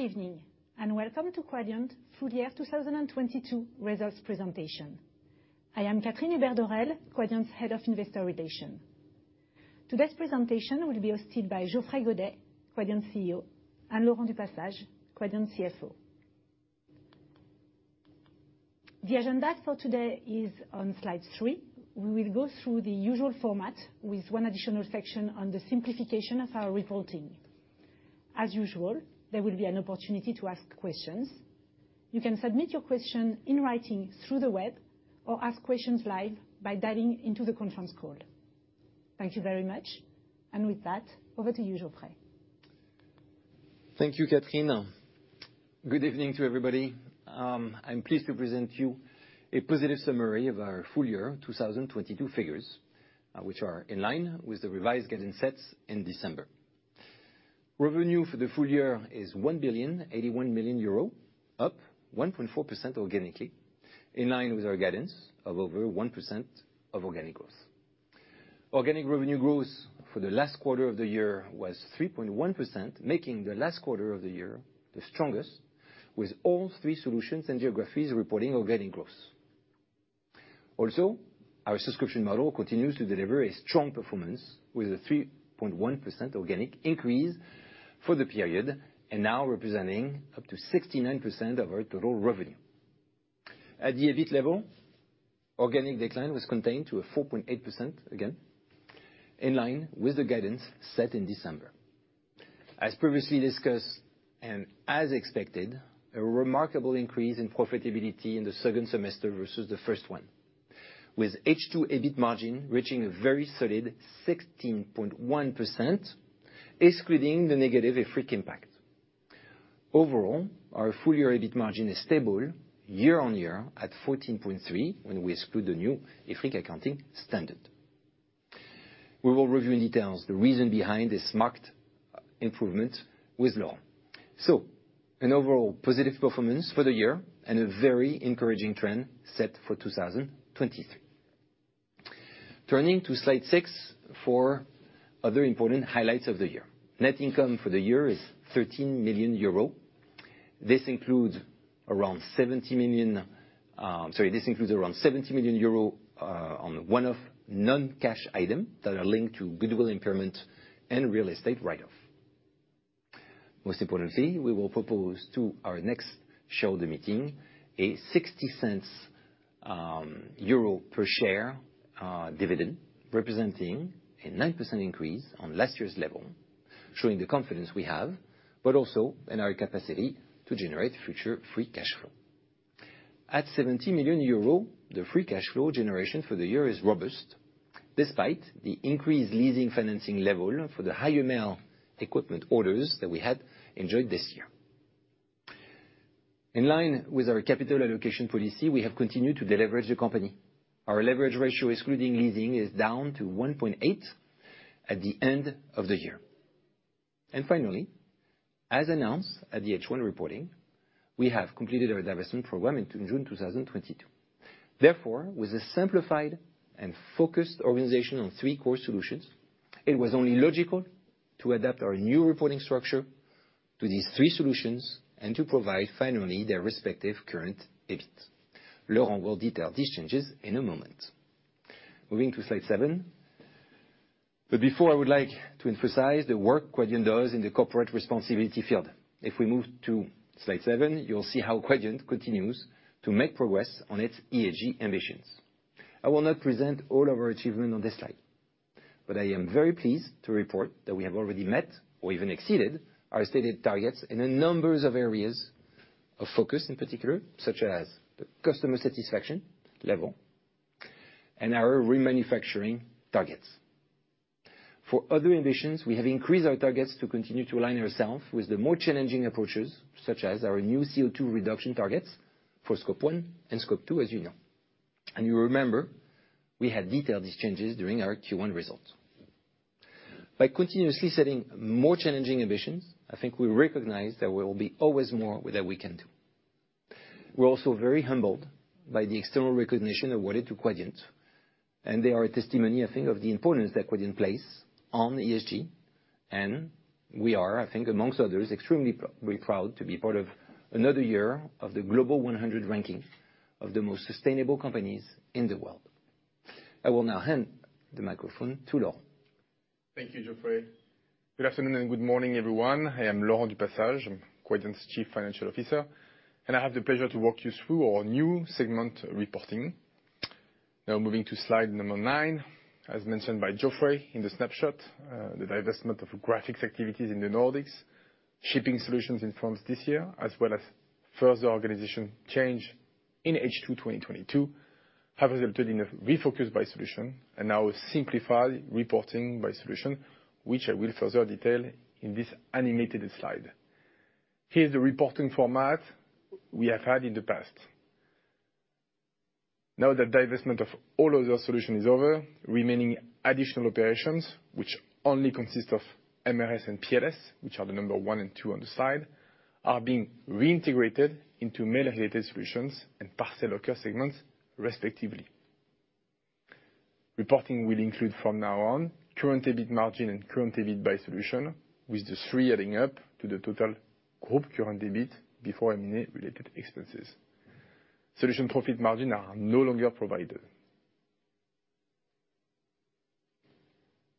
Good evening, welcome to Quadient Full Year 2022 Results Presentation. I am Catherine Hubert-Dorel, Quadient's Head of Investor Relation. Today's presentation will be hosted by Geoffrey Godet, Quadient's CEO, and Laurent du Passage, Quadient's CFO. The agenda for today is on slide 3. We will go through the usual format with one additional section on the simplification of our reporting. As usual, there will be an opportunity to ask questions. You can submit your question in writing through the web, or ask questions live by dialing into the conference call. Thank you very much. With that, over to you, Geoffrey. Thank you, Catherine. Good evening to everybody. I'm pleased to present you a positive summary of our full year 2022 figures, which are in line with the revised guidance sets in December. Revenue for the full year is 1,081 million euro, up 1.4% organically, in line with our guidance of over 1% of organic growth. Organic revenue growth for the last quarter of the year was 3.1%, making the last quarter of the year the strongest, with all three solutions and geographies reporting organic growth. Our subscription model continues to deliver a strong performance with a 3.1% organic increase for the period, and now representing up to 69% of our total revenue. At the EBIT level, organic decline was contained to a 4.8%, again, in line with the guidance set in December. As previously discussed and as expected, a remarkable increase in profitability in the second semester versus the first one, with H2 EBIT margin reaching a very solid 16.1%, excluding the negative IFRIC impact. Overall, our full year EBIT margin is stable year-over-year at 14.3% when we exclude the new IFRIC accounting standard. We will review in details the reason behind this marked improvement with Laurent. An overall positive performance for the year and a very encouraging trend set for 2023. Turning to slide 6 for other important highlights of the year. Net income for the year is 13 million euro. This includes around 70 million. Sorry, this includes around 70 million euro on one-off non-cash item that are linked to goodwill impairment and real estate write-off. Most importantly, we will propose to our next shareholder meeting a 0.60 per share dividend, representing a 9% increase on last year's level, showing the confidence we have, but also in our capacity to generate future free cash flow. At 70 million euro, the free cash flow generation for the year is robust, despite the increased leasing financing level for the higher mail equipment orders that we had enjoyed this year. In line with our capital allocation policy, we have continued to deleverage the company. Our leverage ratio, excluding leasing, is down to 1.8 at the end of the year. Finally, as announced at the H1 reporting, we have completed our divestment program in June 2022. Therefore, with a simplified and focused organization on three core solutions, it was only logical to adapt our new reporting structure to these three solutions and to provide finally their respective current EBIT. Laurent will detail these changes in a moment. Moving to slide seven. Before, I would like to emphasize the work Quadient does in the corporate responsibility field. If we move to slide seven, you'll see how Quadient continues to make progress on its ESG ambitions. I will not present all of our achievement on this slide, but I am very pleased to report that we have already met or even exceeded our stated targets in a numbers of areas of focus in particular, such as the customer satisfaction level and our remanufacturing targets. For other ambitions, we have increased our targets to continue to align ourselves with the more challenging approaches, such as our new CO2 reduction targets for Scope 1 and Scope 2, as you know. You remember, we had detailed these changes during our Q1 results. By continuously setting more challenging ambitions, I think we recognize there will be always more that we can do. We're also very humbled by the external recognition awarded to Quadient, and they are a testimony, I think, of the importance that Quadient place on ESG. We are, I think amongst others, extremely very proud to be part of another year of the Global 100 ranking of the most sustainable companies in the world. I will now hand the microphone to Laurent. Thank you, Geoffrey. Good afternoon and good morning, everyone. I am Laurent du Passage. I'm Quadient's Chief Financial Officer, and I have the pleasure to walk you through our new segment reporting. Now moving to slide 9. As mentioned by Geoffrey in the snapshot, the divestment of graphics activities in the Nordics, shipping solutions in France this year, as well as further organization change in H2 2022 have resulted in a refocused by solution and now a simplified reporting by solution, which I will further detail in this animated slide. Here's the reporting format we have had in the past. Now the divestment of all other solution is over. Remaining additional operations, which only consist of MRS and PLS, which are the number 1 and 2 on the side, are being reintegrated into Mail-Related Solutions and Parcel OKR segments, respectively. Reporting will include from now on current EBIT margin and current EBIT by solution, with the 3 adding up to the total group current EBIT before M&A-related expenses. Solution profit margin are no longer provided.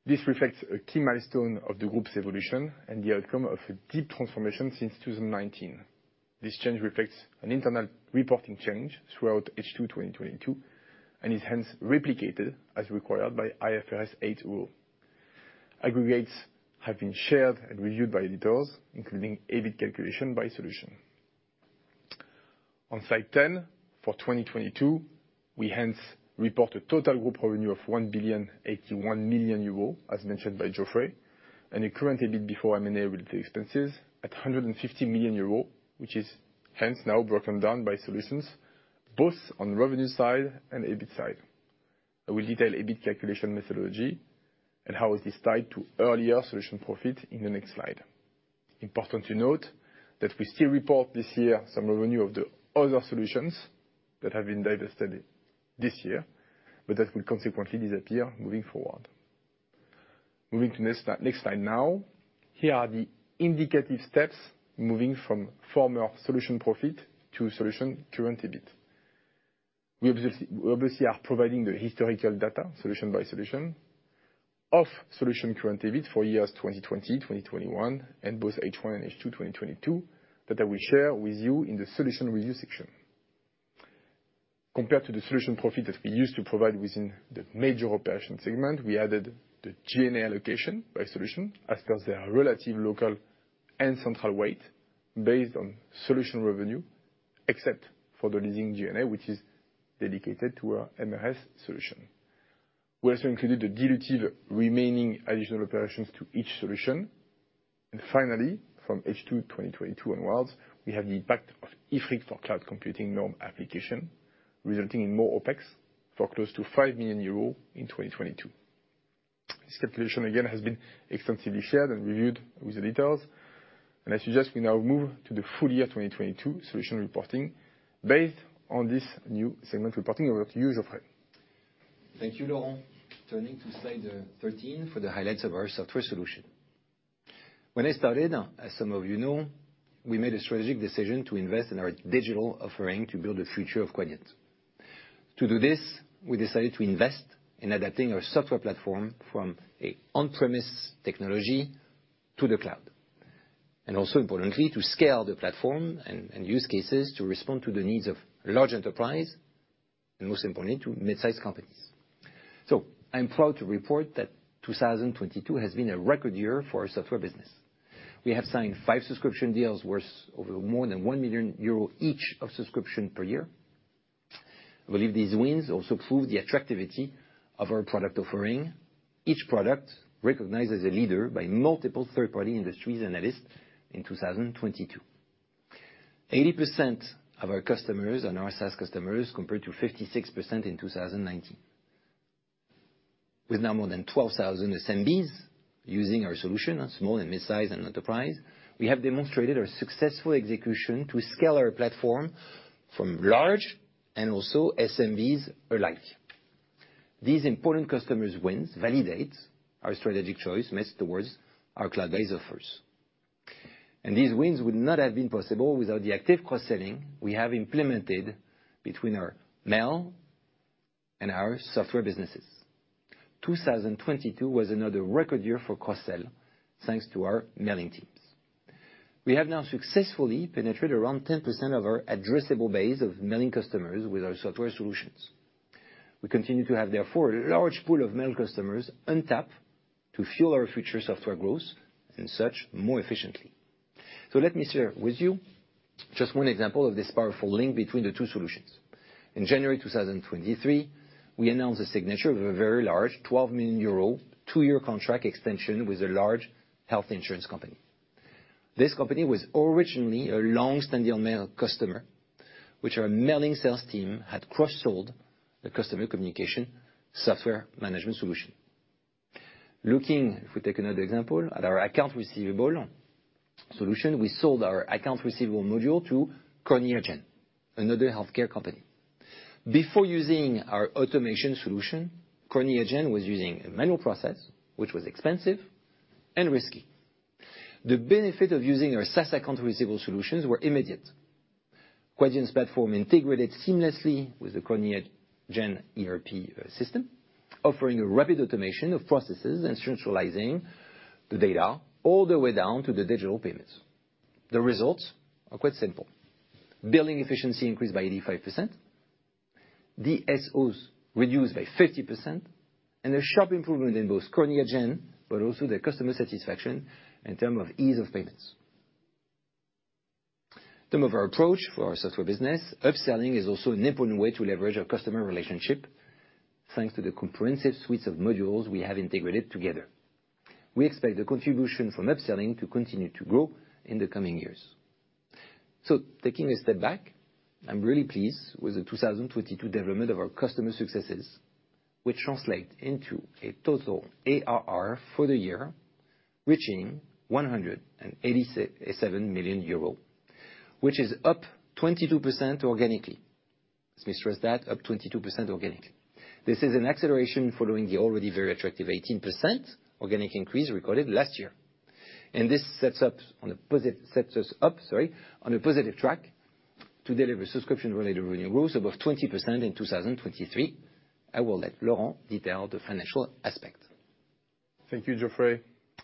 This reflects a key milestone of the group's evolution and the outcome of a deep transformation since 2019. This change reflects an internal reporting change throughout H2 2022, is hence replicated as required by IFRS 8 rule. Aggregates have been shared and reviewed by editors, including EBIT calculation by solution. On slide 10, for 2022, we hence report a total group revenue of 1 billion 81 million, as mentioned by Geoffrey, and a current EBIT before M&A-related expenses at 150 million euro, which is hence now broken down by solutions both on revenue side and EBIT side. I will detail EBIT calculation methodology and how it is tied to earlier solution profit in the next slide. Important to note that we still report this year some revenue of the other solutions that have been divested this year, but that will consequently disappear moving forward. Moving to next slide now, here are the indicative steps moving from former solution profit to solution current EBIT. We obviously are providing the historical data solution by solution of current EBIT for years 2020, 2021, and both H1 and H2 2022 that I will share with you in the solution review section. Compared to the solution profit that we used to provide within the major operation segment, we added the G&A allocation by solution as per their relative local and central weight based on solution revenue, except for the leasing G&A, which is dedicated to our MRS solution. We also included the dilutive remaining additional operations to each solution. Finally, from H2 2022 onwards, we have the impact of IFRIC for cloud computing norm application, resulting in more OpEx for close to 5 million euros in 2022. This calculation, again, has been extensively shared and reviewed with the details, and I suggest we now move to the full year 2022 solution reporting based on this new segment reporting. Over to you, Geoffrey. Thank you, Laurent. Turning to slide 13 for the highlights of our Software Solution. When I started, as some of you know, we made a strategic decision to invest in our digital offering to build the future of Quadient. To do this, we decided to invest in adapting our software platform from an on-premise technology to the cloud, and also importantly, to scale the platform and use cases to respond to the needs of large enterprise, and most importantly, to midsize companies. I'm proud to report that 2022 has been a record year for our software business. We have signed 5 subscription deals worth over more than 1 million euro each of subscription per year. I believe these wins also prove the attractivity of our product offering, each product recognized as a leader by multiple third-party industries analysts in 2022. 80% of our customers are now SaaS customers, compared to 56% in 2019. With now more than 12,000 SMBs using our solution on small and midsize and enterprise, we have demonstrated our successful execution to scale our platform from large and also SMBs alike. These important customers wins validate our strategic choice towards our cloud-based offers. These wins would not have been possible without the active cross-selling we have implemented between our mail and our software businesses. 2022 was another record year for cross-sell, thanks to our mailing teams. We have now successfully penetrated around 10% of our addressable base of mailing customers with our Software Solutions. We continue to have, therefore, a large pool of mail customers untapped to fuel our future software growth, and search more efficiently. Let me share with you just one example of this powerful link between the two solutions. In January 2023, we announced the signature of a very large 12 million euro, 2-year contract extension with a large health insurance company. This company was originally a long-standing mail customer, which our mailing sales team had cross-sold the customer communication software management solution. Looking, if we take another example, at our Accounts Receivable solution, we sold our Accounts Receivable module to CorneaGen, another healthcare company. Before using our automation solution, CorneaGen was using a manual process, which was expensive and risky. The benefit of using our SaaS Accounts Receivable solutions were immediate. Quadient's platform integrated seamlessly with the CorneaGen ERP system, offering a rapid automation of processes and centralizing the data all the way down to the digital payments. The results are quite simple. Billing efficiency increased by 85%. DSOs reduced by 50%. A sharp improvement in both CorneaGen but also the customer satisfaction in term of ease of payments. Term of our approach for our software business, upselling is also an important way to leverage our customer relationship, thanks to the comprehensive suites of modules we have integrated together. We expect the contribution from upselling to continue to grow in the coming years. Taking a step back, I'm really pleased with the 2022 development of our customer successes, which translate into a total ARR for the year reaching 187 million euros, which is up 22% organically. Let me stress that, up 22% organically. This is an acceleration following the already very attractive 18% organic increase recorded last year. This sets us up, sorry, on a positive track to deliver subscription-related revenue growth above 20% in 2023. I will let Laurent detail the financial aspect. Thank you, Geoffrey.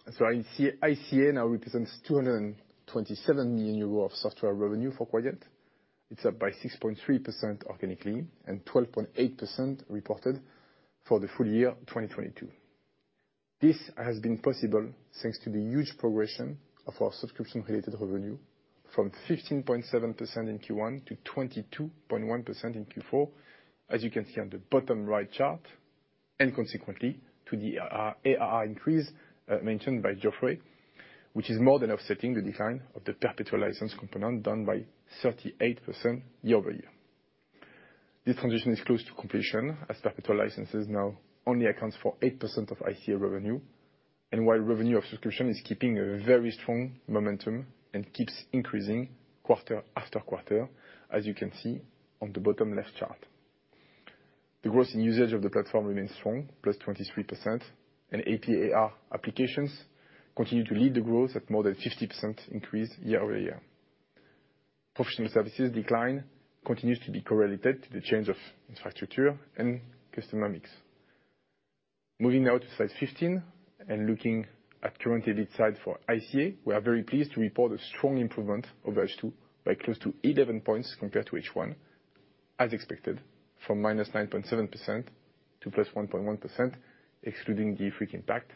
ICA now represents 227 million euros of software revenue for Quadient. It's up by 6.3% organically, and 12.8% reported for the full year 2022. This has been possible thanks to the huge progression of our subscription-related revenue from 15.7% in Q1 to 22.1% in Q4, as you can see on the bottom right chart, and consequently to the ARR increase mentioned by Geoffrey, which is more than offsetting the decline of the perpetual license component down by 38% year-over-year. This transition is close to completion as perpetual licenses now only accounts for 8% of ICA revenue. While revenue of subscription is keeping a very strong momentum and keeps increasing quarter after quarter, as you can see on the bottom left chart. The growth in usage of the platform remains strong, +23%. AP/AR applications continue to lead the growth at more than 50% increase year-over-year. Professional services decline continues to be correlated to the change of infrastructure and customer mix. Moving now to slide 15 and looking at current EBIT side for ICA, we are very pleased to report a strong improvement over H2 by close to 11 points compared to H1, as expected, from -9.7% to +1.1%, excluding the FX impact.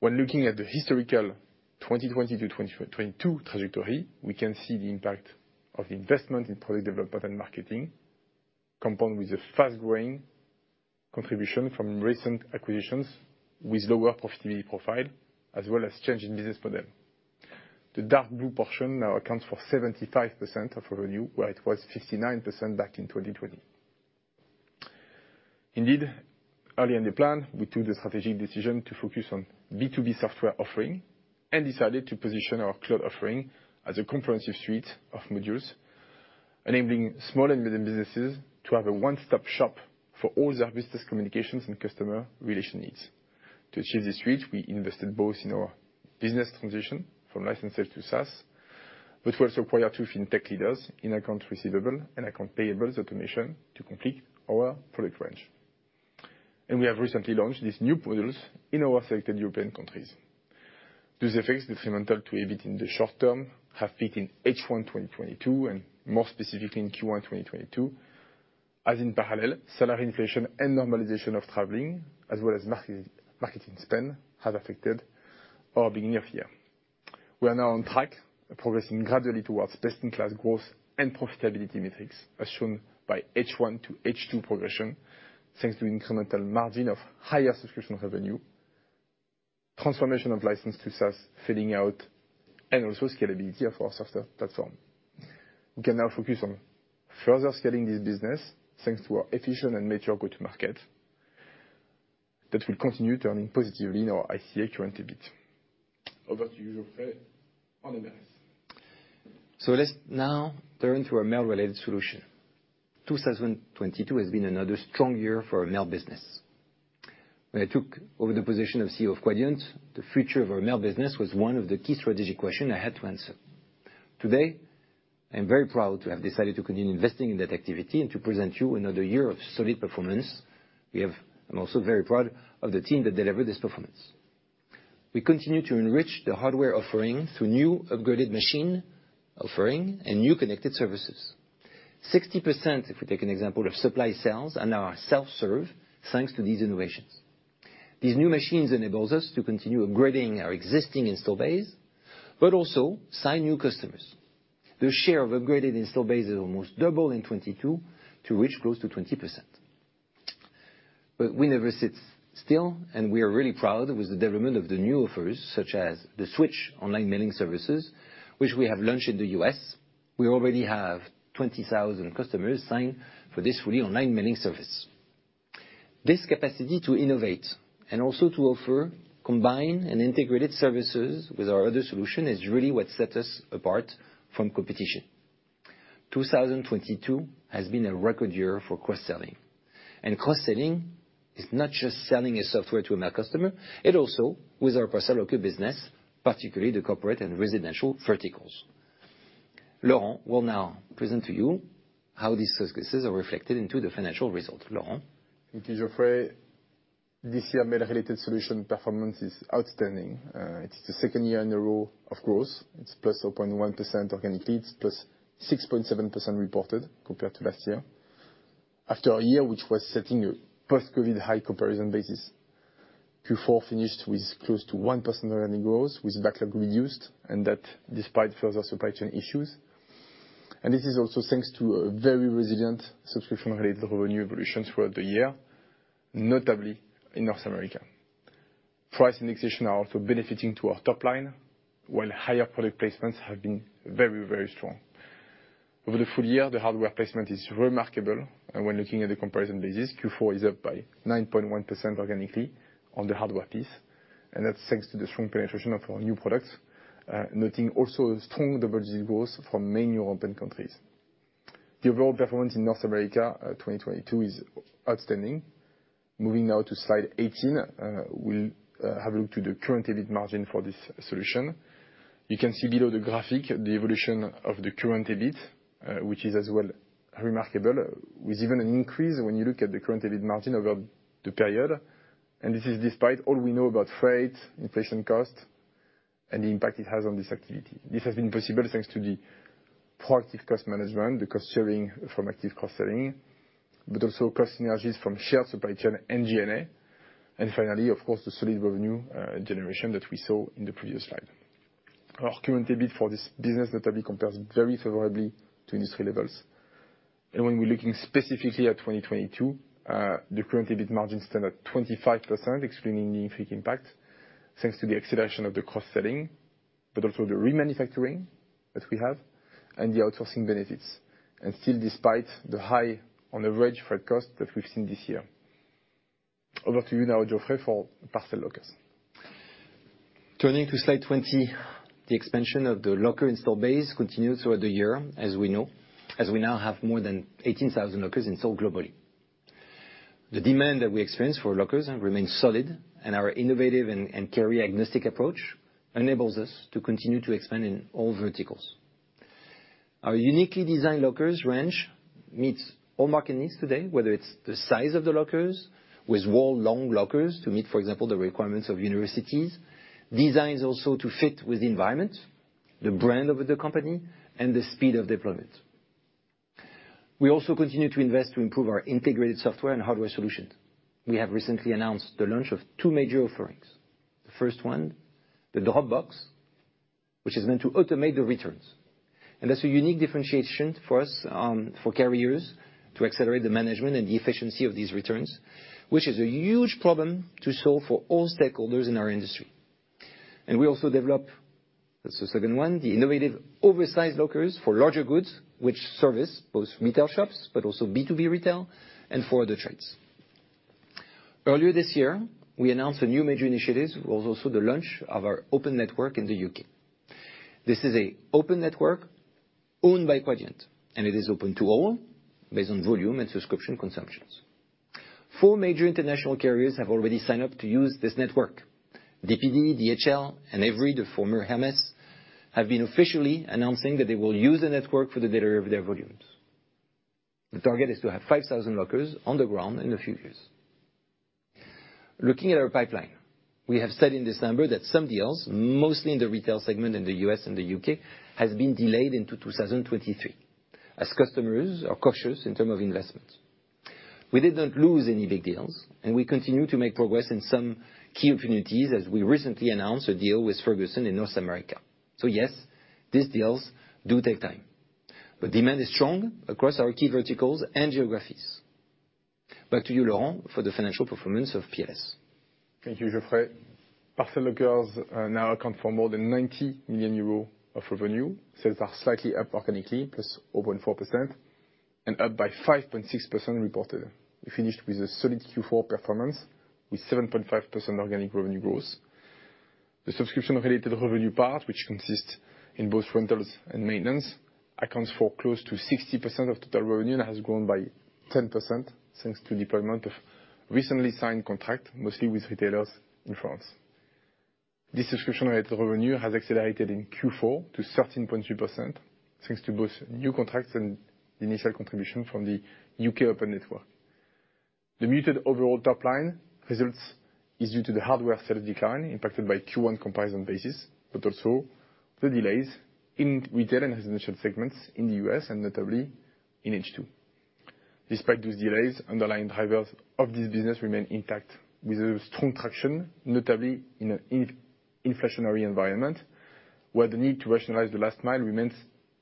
When looking at the historical 2020 to 2022 trajectory, we can see the impact of the investment in product development and marketing, combined with the fast-growing contribution from recent acquisitions with lower profitability profile, as well as change in business model. The dark blue portion now accounts for 75% of revenue, where it was 59% back in 2020. Indeed, early in the plan, we took the strategic decision to focus on B2B software offering and decided to position our cloud offering as a comprehensive suite of modules, enabling small and medium businesses to have a one-stop shop for all their business communications and customer relation needs. To achieve this reach, we invested both in our business transition from license sales to SaaS, but we also acquired two FinTech leaders in Accounts Receivable and Accounts Payable automation to complete our product range. We have recently launched these new products in our selected European countries. These effects, detrimental to EBIT in the short term, have peaked in H1 2022, and more specifically in Q1 2022, as in parallel, salary inflation and normalization of traveling, as well as marketing spend, have affected our beginning of year. We are now on track, progressing gradually towards best-in-class growth and profitability metrics, as shown by H1 to H2 progression, thanks to incremental margin of higher subscription revenue, transformation of license to SaaS, thinning out, and also scalability of our software platform. We can now focus on further scaling this business thanks to our efficient and mature go-to market that will continue turning positively in our ICA current EBIT. Over to you, Geoffrey, on the mail. Let's now turn to our Mail-Related Solution. 2022 has been another strong year for our mail business. When I took over the position of CEO of Quadient, the future of our mail business was one of the key strategic question I had to answer. Today, I'm very proud to have decided to continue investing in that activity and to present you another year of solid performance. I'm also very proud of the team that delivered this performance. We continue to enrich the hardware offering through new upgraded machine offering and new connected services. 60%, if we take an example of supply sales, are now self-serve, thanks to these innovations. These new machines enables us to continue upgrading our existing install base but also sign new customers. The share of upgraded install base is almost double in 2022 to reach close to 20%. We never sit still, and we are really proud with the development of the new offers, such as the Switch online mailing services, which we have launched in the U.S. We already have 20,000 customers signed for this fully online mailing service. This capacity to innovate and also to offer combined and integrated services with our other solution is really what sets us apart from competition. 2022 has been a record year for cross-selling. Cross-selling is not just selling a software to a mail customer, it also with our Parcel Locker business, particularly the corporate and residential verticals. Laurent will now present to you how these use cases are reflected into the financial results. Laurent? Thank you, Geoffrey. This year, Mail-Related Solutions performance is outstanding. It's the second year in a row of growth. It's +0.1% organic leads, +6.7% reported compared to last year. After a year which was setting a post-COVID high comparison basis, Q4 finished with close to 1% organic growth, with backlog reduced, and that despite further supply chain issues. This is also thanks to a very resilient subscription-related revenue evolution throughout the year, notably in North America. Price indexation are also benefiting to our top line, while higher product placements have been very, very strong. Over the full year, the hardware placement is remarkable, and when looking at the comparison basis, Q4 is up by +9.1% organically on the hardware piece. That's thanks to the strong penetration of our new products, noting also strong double-digit growth from many European countries. The overall performance in North America, 2022 is outstanding. Moving now to slide 18, we'll have a look to the current EBIT margin for this solution. You can see below the graphic, the evolution of the current EBIT, which is as well remarkable, with even an increase when you look at the current EBIT margin over the period. This is despite all we know about freight, inflation cost, and the impact it has on this activity. This has been possible thanks to the proactive cost management, the active cost sharing, but also cost synergies from shared supply chain and G&A. Finally, of course, the solid revenue generation that we saw in the previous slide. Our current EBIT for this business notably compares very favorably to industry levels. When we're looking specifically at 2022, the current EBIT margin stand at 25%, excluding the impact, thanks to the acceleration of the cost saving, but also the remanufacturing that we have and the outsourcing benefits. Still despite the high on average freight cost that we've seen this year. Over to you now, Geoffrey, for Parcel Locker. Turning to slide 20, the expansion of the Locker install base continued throughout the year, as we know, as we now have more than 18,000 lockers installed globally. The demand that we experienced for Lockers remains solid, our innovative and carrier-agnostic approach enables us to continue to expand in all verticals. Our uniquely designed lockers range meets all market needs today, whether it's the size of the lockers with wall long lockers to meet, for example, the requirements of universities. Designs also to fit with the environment, the brand of the company, and the speed of deployment. We also continue to invest to improve our integrated software and hardware solution. We have recently announced the launch of two major offerings. The first one, the Drop Box, which is meant to automate the returns. That's a unique differentiation for us, for carriers to accelerate the management and the efficiency of these returns, which is a huge problem to solve for all stakeholders in our industry. We also develop, that's the second one, the innovative oversized lockers for larger goods, which service both retail shops but also B2B retail and for other trades. Earlier this year, we announced a new major initiative, was also the launch of our open network in the U.K. This is a open network owned by Quadient, and it is open to all based on volume and subscription consumptions. Four major international carriers have already signed up to use this network. DPD, DHL, and Evri, the former Hermes, have been officially announcing that they will use the network for the delivery of their volumes. The target is to have 5,000 lockers on the ground in a few years. Looking at our pipeline, we have said in this number that some deals, mostly in the retail segment in the U.S. and the UK, has been delayed into 2023, as customers are cautious in terms of investments. We did not lose any big deals, and we continue to make progress in some key opportunities, as we recently announced a deal with Ferguson in North America. Yes, these deals do take time, but demand is strong across our key verticals and geographies. Back to you, Laurent, for the financial performance of PS. Thank you, Geoffrey. Parcel Lockers now account for more than 90 million euro of revenue. Sales are slightly up organically, +0.4%, and up by 5.6% reported. We finished with a solid Q4 performance with 7.5% organic revenue growth. The subscription-related revenue part, which consists in both rentals and maintenance, accounts for close to 60% of total revenue and has grown by 10%, thanks to deployment of recently signed contract, mostly with retailers in France. This subscription-related revenue has accelerated in Q4 to 13.3%, thanks to both new contracts and the initial contribution from the U.K. open network. The muted overall top line results is due to the hardware sales decline impacted by Q1 comparison basis, also the delays in retail and residential segments in the U.S. and notably in H2. Despite those delays, underlying drivers of this business remain intact with a strong traction, notably in an inflationary environment, where the need to rationalize the last mile remains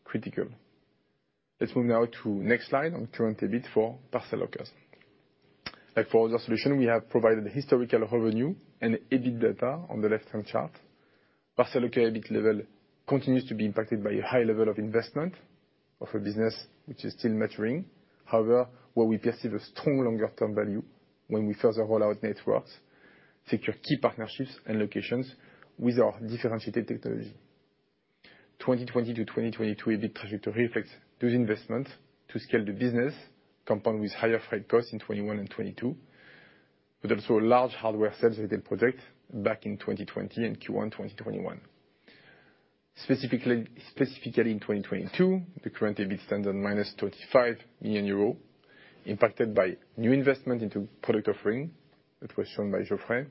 critical. Let's move now to next slide on current EBIT for Parcel Lockers. Like for other solution, we have provided historical revenue and EBIT data on the left-hand chart. Parcel EBIT level continues to be impacted by a high level of investment of a business which is still maturing. However, where we perceive a strong longer-term value when we further roll out networks, secure key partnerships and locations with our differentiated technology. 2020-2022 EBIT trajectory reflects good investment to scale the business compound with higher freight costs in 2021 and 2022, but also a large hardware sales-related project back in 2020 and Q1 2021. Specifically, in 2022, the current EBIT stands at minus 35 million euro, impacted by new investment into product offering that was shown by Geoffrey,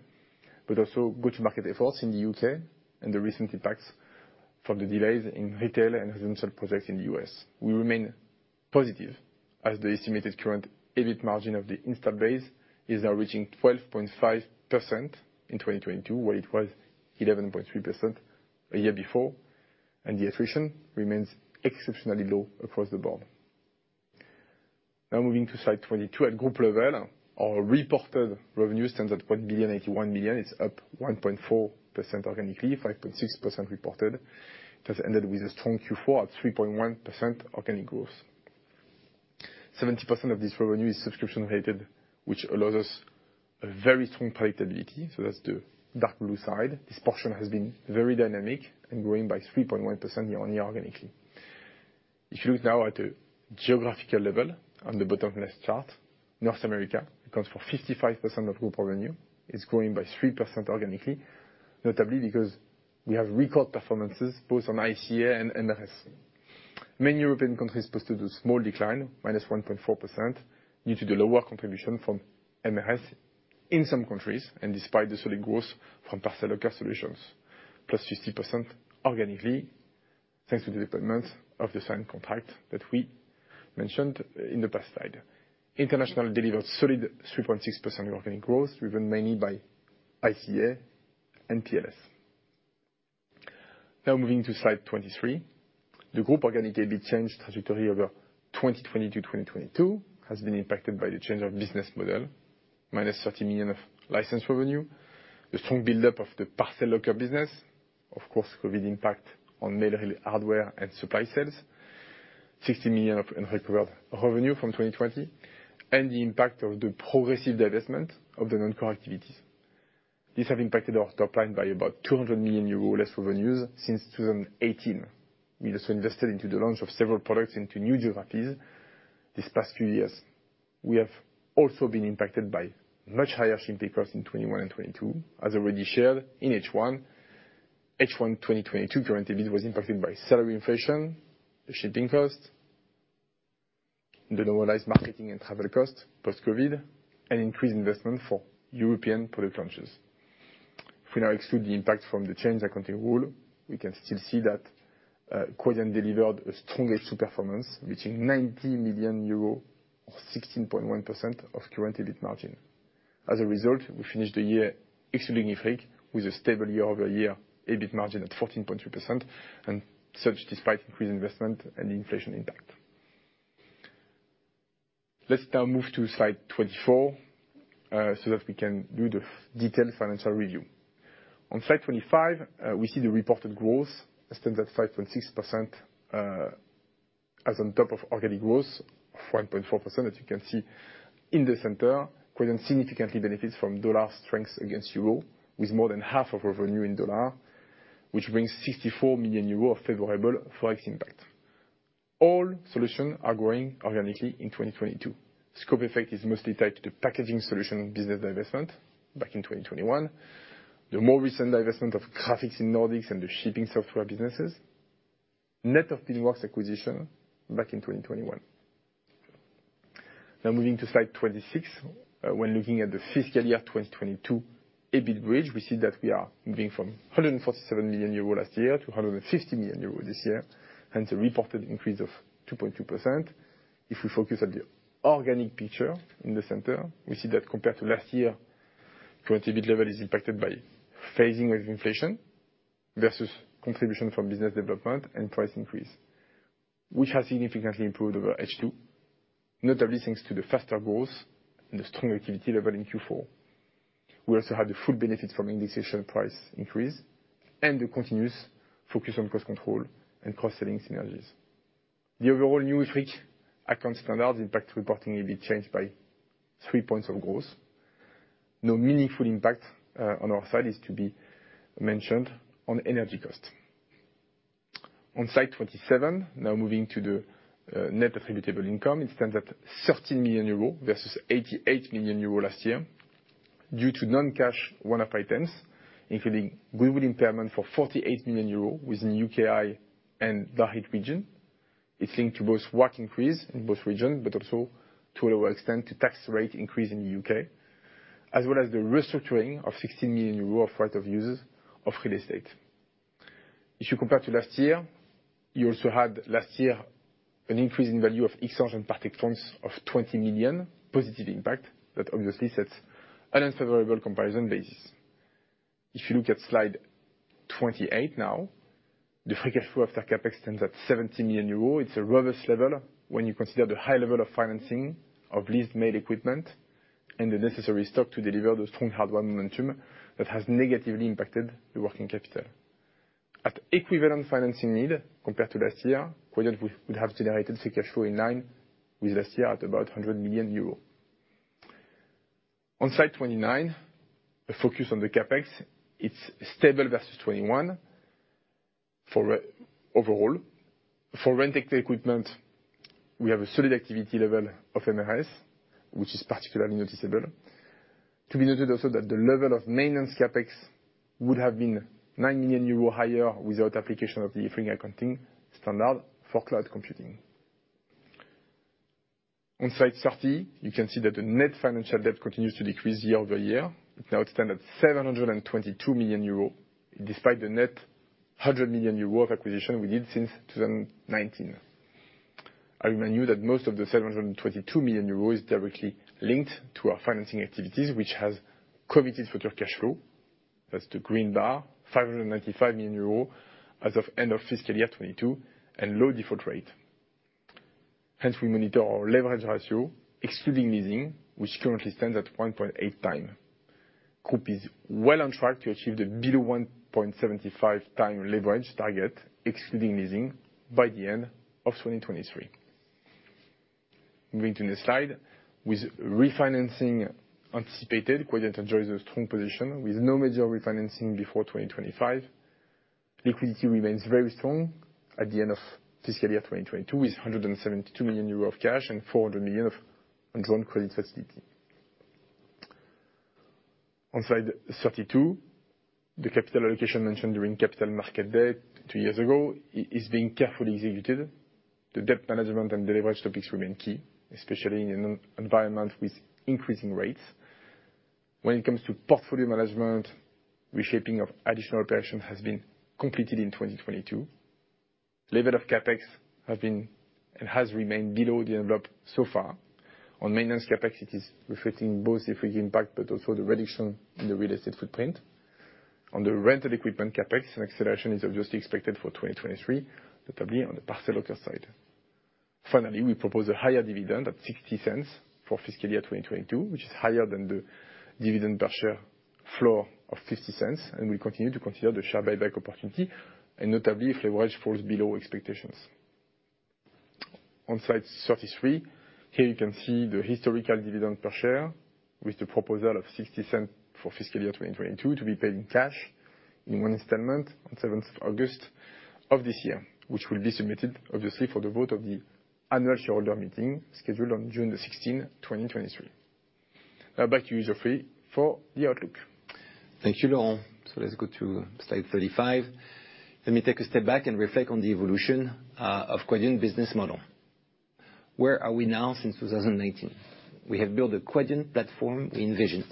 but also go-to-market efforts in the U.K. and the recent impacts from the delays in retail and residential projects in the US. We remain positive as the estimated current EBIT margin of the install base is now reaching 12.5% in 2022, where it was 11.3% a year before, and the attrition remains exceptionally low across the board. Now moving to slide 22. At group level, our reported revenue stands at 1,081 million. It's up 1.4% organically, 5.6% reported. It has ended with a strong Q4 at 3.1% organic growth. 70% of this revenue is subscription-related, which allows us a very strong predictability. That's the dark blue side. This portion has been very dynamic and growing by 3.1% year-on-year organically. If you look now at the geographical level on the bottom left chart, North America accounts for 55% of group revenue. It's growing by 3% organically, notably because we have record performances both on ICA and MRS. Many European countries posted a small decline, -1.4%, due to the lower contribution from MRS in some countries and despite the solid growth from Parcel Locker Solutions +50% organically, thanks to the deployment of the same contract that we mentioned in the past slide. International delivered solid 3.6% organic growth, driven mainly by ICA and PLS. Moving to slide 23. The group organic EBIT change trajectory over 2020 to 2022 has been impacted by the change of business model, minus 30 million of license revenue, the strong buildup of the Parcel Locker business, of course, COVID impact on mail hardware and supply sales, 60 million of unrecovered revenue from 2020, and the impact of the progressive divestment of the non-core activities. These have impacted our top line by about 200 million euro less revenues since 2018. We also invested into the launch of several products into new geographies these past few years. We have also been impacted by much higher shipping costs in 2021 and 2022, as already shared in H1. H1 2022 current EBIT was impacted by salary inflation, the shipping cost, the normalized marketing and travel cost post-COVID, and increased investment for European product launches. If we now exclude the impact from the change of accounting rule, we can still see that Quadient delivered a strong H2 performance reaching 90 million euros or 16.1% of current EBIT margin. We finished the year excluding IFRIC with a stable year-over-year EBIT margin at 14.3%, and such despite increased investment and inflation impact. Let's now move to slide 24 so that we can do the detailed financial review. On slide 25, we see the reported growth stands at 5.6%, as on top of organic growth of 1.4%, as you can see in the center. Quadient significantly benefits from dollar strength against euro, with more than half of revenue in dollar, which brings 64 million euros of favorable FX impact. All solutions are growing organically in 2022. Scope effect is mostly tied to the packaging solution business divestment back in 2021, the more recent divestment of graphics in Nordics and the shipping software businesses, net of Beanworks acquisition back in 2021. Moving to slide 26. When looking at the fiscal year 2022 EBIT bridge, we see that we are moving from 147 million euros last year to 150 million euros this year, hence a reported increase of 2.2%. If we focus on the organic picture in the center, we see that compared to last year, current EBIT level is impacted by phasing of inflation versus contribution from business development and price increase, which has significantly improved over H2, notably thanks to the faster growth and the strong activity level in Q4. We also had the full benefit from indexation price increase and the continuous focus on cost control and cost-saving synergies. The overall new IFRIC Accounting Standard impact reporting will be changed by 3 points of growth. No meaningful impact on our side is to be mentioned on energy cost. On slide 27, now moving to the net attributable income. It stands at 13 million euros versus 88 million euros last year due to non-cash one-off items, including goodwill impairment for 48 million euro within UKI and DACH region. It's linked to both WACC increase in both regions, but also to a lower extent, the tax rate increase in the UK, as well as the restructuring of 16 million euro of right of uses of real estate. If you compare to last year, you also had last year an increase in value of exchange and participants of 20 million positive impact. Obviously sets an unfavorable comparison basis. If you look at slide 28 now, the free cash flow after CapEx stands at 70 million euros. It's a robust level when you consider the high level of financing of leased mail equipment and the necessary stock to deliver the strong hardware momentum that has negatively impacted the working capital. At equivalent financing need compared to last year, Quadient would have generated free cash flow in line with last year at about 100 million euro. On slide 29, a focus on the CapEx. It's stable versus 2021 for overall. For rent equipment, we have a solid activity level of MRS, which is particularly noticeable. To be noted also that the level of maintenance CapEx would have been 9 million euros higher without application of the IFRIC accounting standard for cloud computing. On slide 30, you can see that the net financial debt continues to decrease year-over-year. It now stands at 722 million euros, despite the net 100 million euros of acquisition we did since 2019. I remind you that most of the 722 million euros is directly linked to our financing activities, which has committed future cash flow. That's the green bar, 595 million euros as of end of fiscal year 2022 and low default rate. We monitor our leverage ratio, excluding leasing, which currently stands at 1.8x. Group is well on track to achieve the below 1.75x leverage target, excluding leasing, by the end of 2023. Moving to next slide. With refinancing anticipated, Quadient enjoys a strong position with no major refinancing before 2025. Liquidity remains very strong at the end of fiscal year 2022, with 172 million euro of cash and 400 million of undrawn credit facility. On slide 32, the capital allocation mentioned during Capital Markets Day two years ago is being carefully executed. The debt management and deliverance topics remain key, especially in an environment with increasing rates. When it comes to portfolio management, reshaping of additional operations has been completed in 2022. Level of CapEx have been and has remained below the envelope so far. On maintenance CapEx, it is reflecting both the free impact, but also the reduction in the real estate footprint. On the rented equipment CapEx, an acceleration is obviously expected for 2023, notably on the Parcel Locker side. Finally, we propose a higher dividend at 0.60 for fiscal year 2022, which is higher than the dividend per share floor of 0.50. We continue to consider the share buyback opportunity, and notably if leverage falls below expectations. On slide 33, here you can see the historical dividend per share with the proposal of 0.60 for fiscal year 2022 to be paid in cash in one installment on seventh of August of this year, which will be submitted obviously for the vote of the annual shareholder meeting scheduled on June the 16th, 2023. Now back to you, Geoffrey, for the outlook. Thank you, Laurent. Let's go to slide 35. Let me take a step back and reflect on the evolution of Quadient business model. Where are we now since 2019? We have built a Quadient platform we envisioned.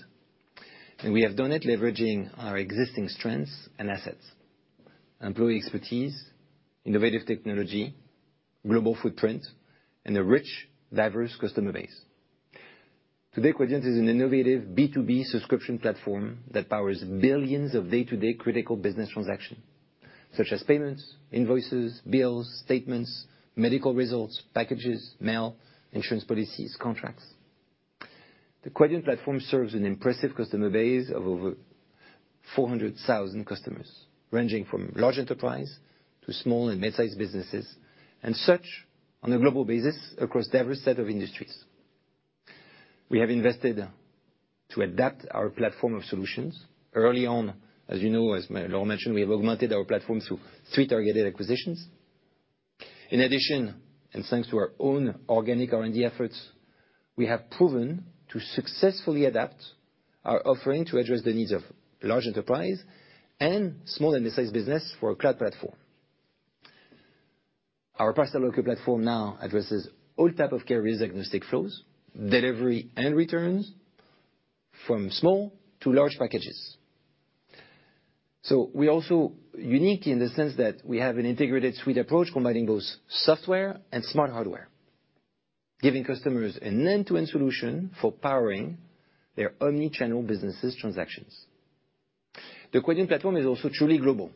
We have done it leveraging our existing strengths and assets, employee expertise, innovative technology, global footprint, and a rich, diverse customer base. Today, Quadient is an innovative B2B subscription platform that powers billions of day-to-day critical business transactions, such as payments, invoices, bills, statements, medical results, packages, mail, insurance policies, contracts. The Quadient platform serves an impressive customer base of over 400,000 customers, ranging from large enterprise to small and mid-sized businesses and such on a global basis across diverse set of industries. We have invested to adapt our platform of solutions early on. As you know, as Laurent mentioned, we have augmented our platform through three targeted acquisitions. In addition, thanks to our own organic R&D efforts, we have proven to successfully adapt our offering to address the needs of large enterprise and small and mid-sized business for a cloud platform. Our Parcel Locker platform now addresses all type of carrier's agnostic flows, delivery and returns from small to large packages. We also unique in the sense that we have an integrated suite approach combining both software and smart hardware, giving customers an end-to-end solution for powering their omni-channel businesses transactions. The Quadient platform is also truly global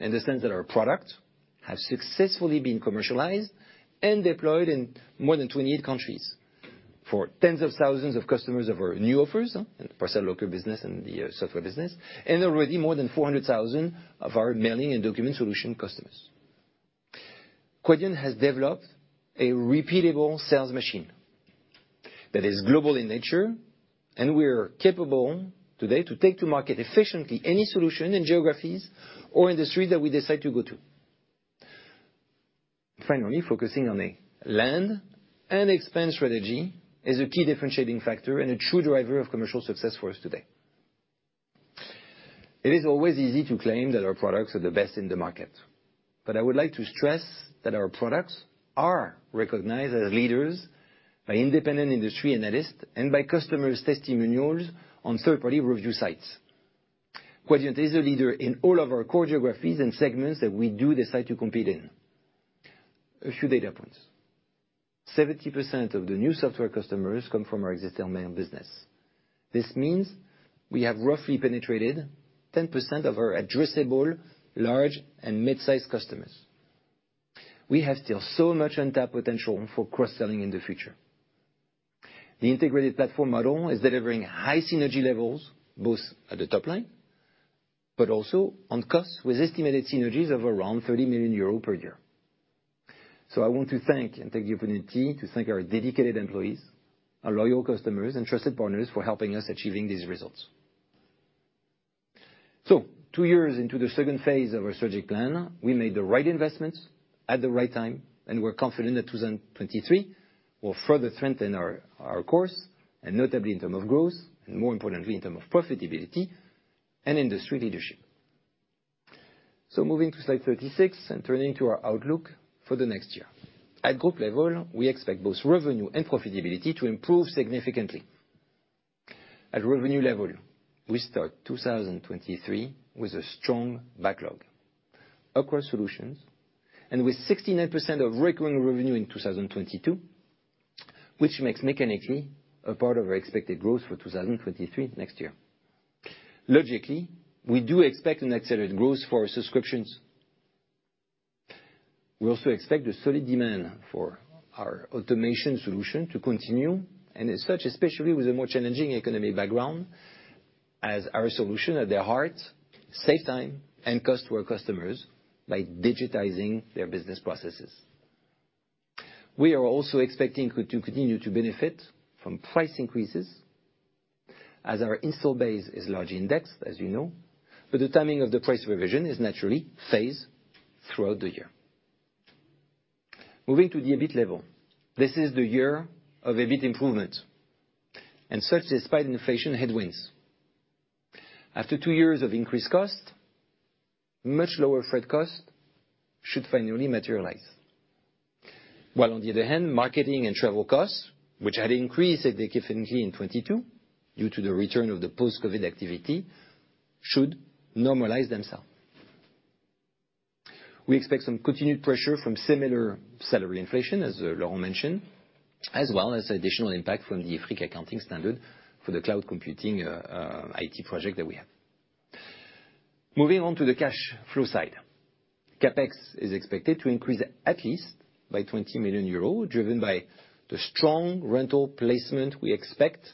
in the sense that our product has successfully been commercialized and deployed in more than 28 countries for tens of thousands of customers of our new offers, Parcel Locker business and the software business, and already more than 400,000 of our mailing and document solution customers. Quadient has developed a repeatable sales machine that is global in nature, and we are capable today to take to market efficiently any solution in geographies or industry that we decide to go to. Finally, focusing on a land and expand strategy is a key differentiating factor and a true driver of commercial success for us today. It is always easy to claim that our products are the best in the market, but I would like to stress that our products are recognized as leaders by independent industry analysts and by customers' testimonials on third-party review sites. Quadient is a leader in all of our core geographies and segments that we do decide to compete in. A few data points. 70% of the new software customers come from our existing mail business. This means we have roughly penetrated 10% of our addressable large and mid-sized customers. We have still so much untapped potential for cross-selling in the future. The integrated platform model is delivering high synergy levels, both at the top line but also on costs, with estimated synergies of around 30 million euros per year. I want to thank and take the opportunity to thank our dedicated employees, our loyal customers and trusted partners for helping us achieving these results. Two years into the second phase of our strategic plan, we made the right investments at the right time, and we're confident that 2023 will further strengthen our course and notably in term of growth, and more importantly, in term of profitability and industry leadership. Moving to slide 36 and turning to our outlook for the next year. At group level, we expect both revenue and profitability to improve significantly. At revenue level, we start 2023 with a strong backlog across solutions and with 69% of recurring revenue in 2022 which makes mechanically a part of our expected growth for 2023 next year. Logically, we do expect an accelerated growth for our subscriptions. We also expect a solid demand for our automation solution to continue, and as such, especially with a more challenging economic background as our solution at their heart saves time and cost to our customers by digitizing their business processes. We are also expecting to continue to benefit from price increases as our install base is largely indexed, as you know, but the timing of the price revision is naturally phased throughout the year. Moving to the EBIT level. This is the year of EBIT improvement, and such despite inflation headwinds. After two years of increased cost, much lower freight cost should finally materialize. While on the other hand, marketing and travel costs which had increased significantly in 2022 due to the return of the post-COVID activity, should normalize themselves. We expect some continued pressure from similar salary inflation, as Laurent mentioned, as well as additional impact from the IFRS accounting standard for the cloud computing IT project that we have. Moving on to the cash flow side. CapEx is expected to increase at least by 20 million euros, driven by the strong rental placement we expect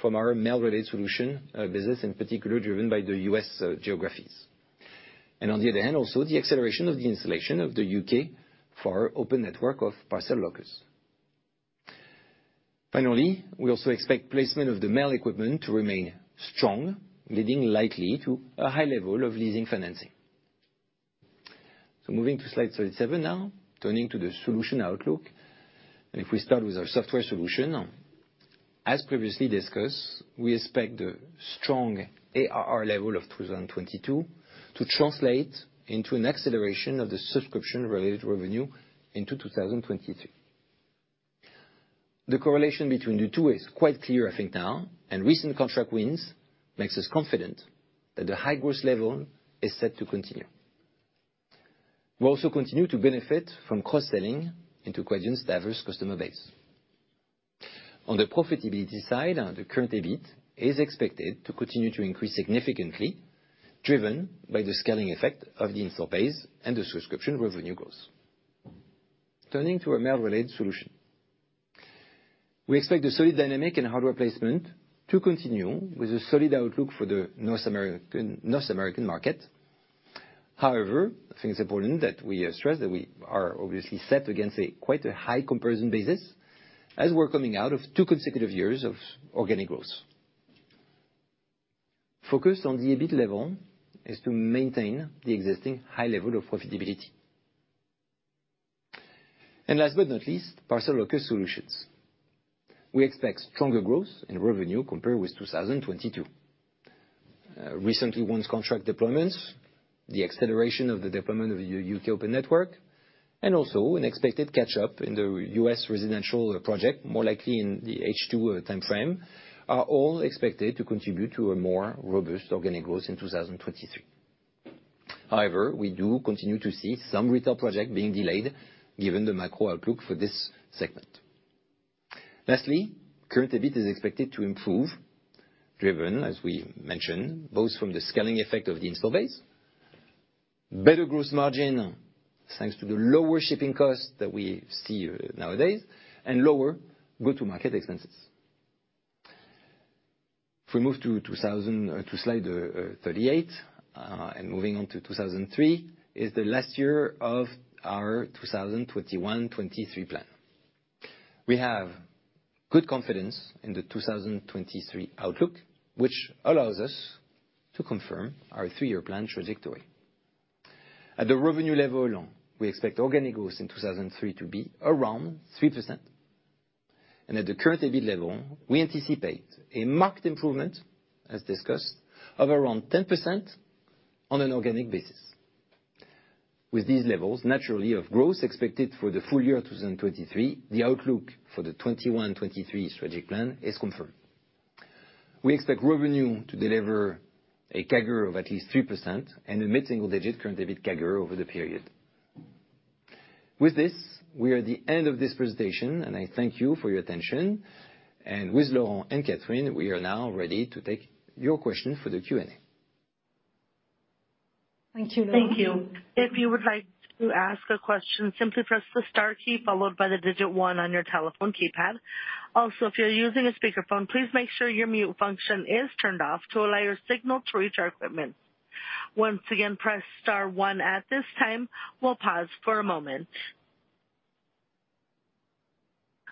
from our Mail-Related Solutions business in particular, driven by the U.S. geographies. On the other hand, also the acceleration of the installation of the U.K. for our open network of Parcel Lockers. Finally, we also expect placement of the mail equipment to remain strong, leading likely to a high level of leasing financing. Moving to slide 37 now. Turning to the solution outlook, and if we start with our Software Solution. As previously discussed, we expect a strong ARR level of 2022 to translate into an acceleration of the subscription-related revenue into 2023. The correlation between the two is quite clear, I think, now, and recent contract wins makes us confident that the high growth level is set to continue. We also continue to benefit from cross-selling into Quadient's diverse customer base. On the profitability side, the current EBIT is expected to continue to increase significantly, driven by the scaling effect of the install base and the subscription revenue growth. Turning to our Mail-Related solution. We expect a solid dynamic and hardware placement to continue with a solid outlook for the North American market. I think it's important that we stress that we are obviously set against a quite a high comparison basis as we're coming out of two consecutive years of organic growth. Focus on the EBIT level is to maintain the existing high level of profitability. Last but not least, Parcel Locker Solutions. We expect stronger growth in revenue compared with 2022. Recently won contract deployments, the acceleration of the deployment of the U.K. open network, and also an expected catch up in the US residential project, more likely in the H2 timeframe, are all expected to contribute to a more robust organic growth in 2023. We do continue to see some retail project being delayed given the macro outlook for this segment. Lastly, current EBIT is expected to improve, driven, as we mentioned, both from the scaling effect of the install base, better gross margin, thanks to the lower shipping costs that we see nowadays, and lower go-to-market expenses. If we move to slide 38, and moving on to 2003, is the last year of our 2021-23 plan. We have good confidence in the 2023 outlook, which allows us to confirm our three-year plan trajectory. At the revenue level, we expect organic growth in 2003 to be around 3%. At the current EBIT level, we anticipate a marked improvement, as discussed, of around 10% on an organic basis. With these levels naturally of growth expected for the full year 2023, the outlook for the 2021-2023 strategic plan is confirmed. We expect revenue to deliver a CAGR of at least 3% and a mid-single digit current EBIT CAGR over the period. With this, we are at the end of this presentation, and I thank you for your attention. With Laurent and Catherine, we are now ready to take your questions for the Q&A. Thank you. Thank you. If you would like to ask a question, simply press the star key followed by the digit one on your telephone keypad. If you're using a speakerphone, please make sure your mute function is turned off to allow your signal to reach our equipment. Once again, press star one. At this time, we'll pause for a moment.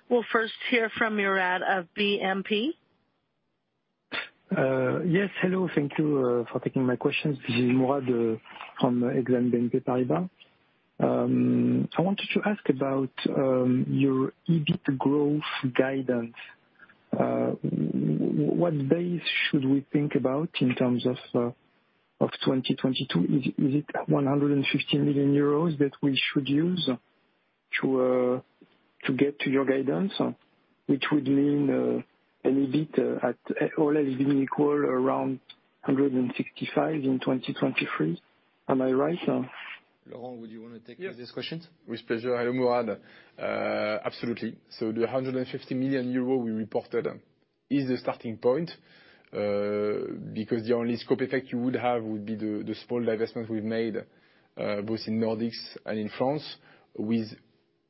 We'll first hear from Mourad of BNP. Yes. Hello. Thank you for taking my question. This is Mourad from Exane BNP Paribas. I wanted to ask about your EBIT growth guidance. What base should we think about in terms of 2022? Is it 150 million euros that we should use to get to your guidance, which would mean an EBIT at, or else being equal around 165 in 2023? Am I right? Laurent, would you wanna take these questions? With pleasure. Hello, Mourad. Absolutely. The 150 million euro we reported is the starting point, because the only scope effect you would have would be the small divestment we've made, both in Nordics and in France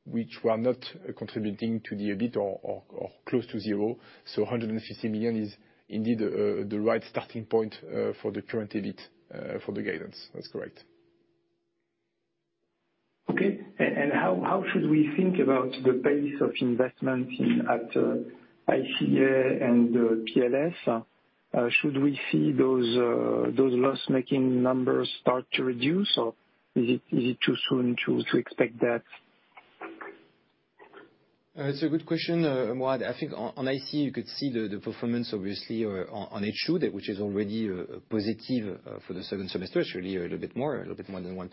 which were not contributing to the EBIT or close to 0. 150 million is indeed, the right starting point, for the current EBIT, for the guidance. That's correct. Okay. How should we think about the pace of investment at ICA and PLS? Should we see those loss-making numbers start to reduce, or is it too soon to expect that? It's a good question, Mourad. I think on ICA you could see the performance obviously on H2, which is already positive for the second semester. It's really a little bit more than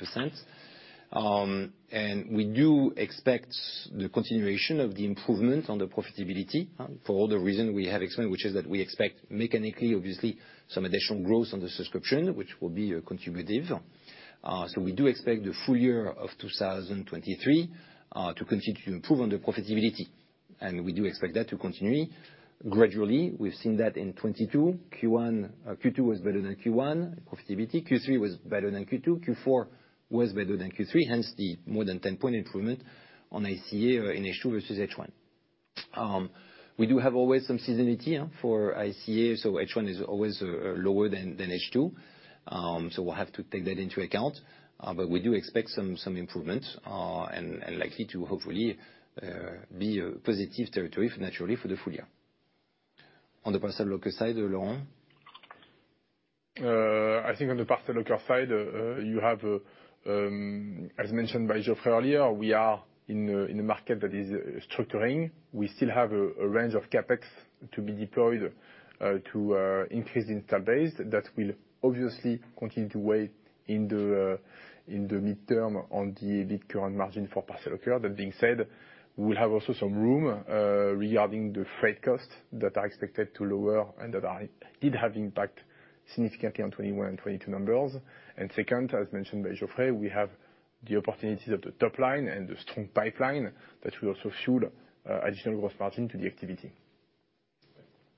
1%. We do expect the continuation of the improvement on the profitability, huh, for all the reasons we have explained, which is that we expect mechanically obviously some additional growth on the subscription, which will be contributive. We do expect the full year of 2023 to continue to improve on the profitability, and we do expect that to continue gradually. We've seen that in 2022, Q1. Q2 was better than Q1 profitability. Q3 was better than Q2. Q4 was better than Q3, hence the more than 10-point improvement on ICA in H2 versus H1. We do have always some seasonality, yeah, for ICA, so H1 is always lower than H2. We'll have to take that into account, but we do expect some improvement, and likely to hopefully be a positive territory naturally for the full year. On the Parcel Locker side, Laurent? I think on the Parcel Locker side, you have as mentioned by Geoffrey earlier, we are in a market that is structuring. We still have a range of CapEx to be deployed to increase install base. That will obviously continue to weigh in the midterm on the EBIT current margin for Parcel Locker. That being said, we'll have also some room regarding the freight costs that are expected to lower and that did have impact significantly on 2021 and 2022 numbers. Second, as mentioned by Geoffrey, we have the opportunities at the top line and the strong pipeline that will also fuel additional growth margin to the activity.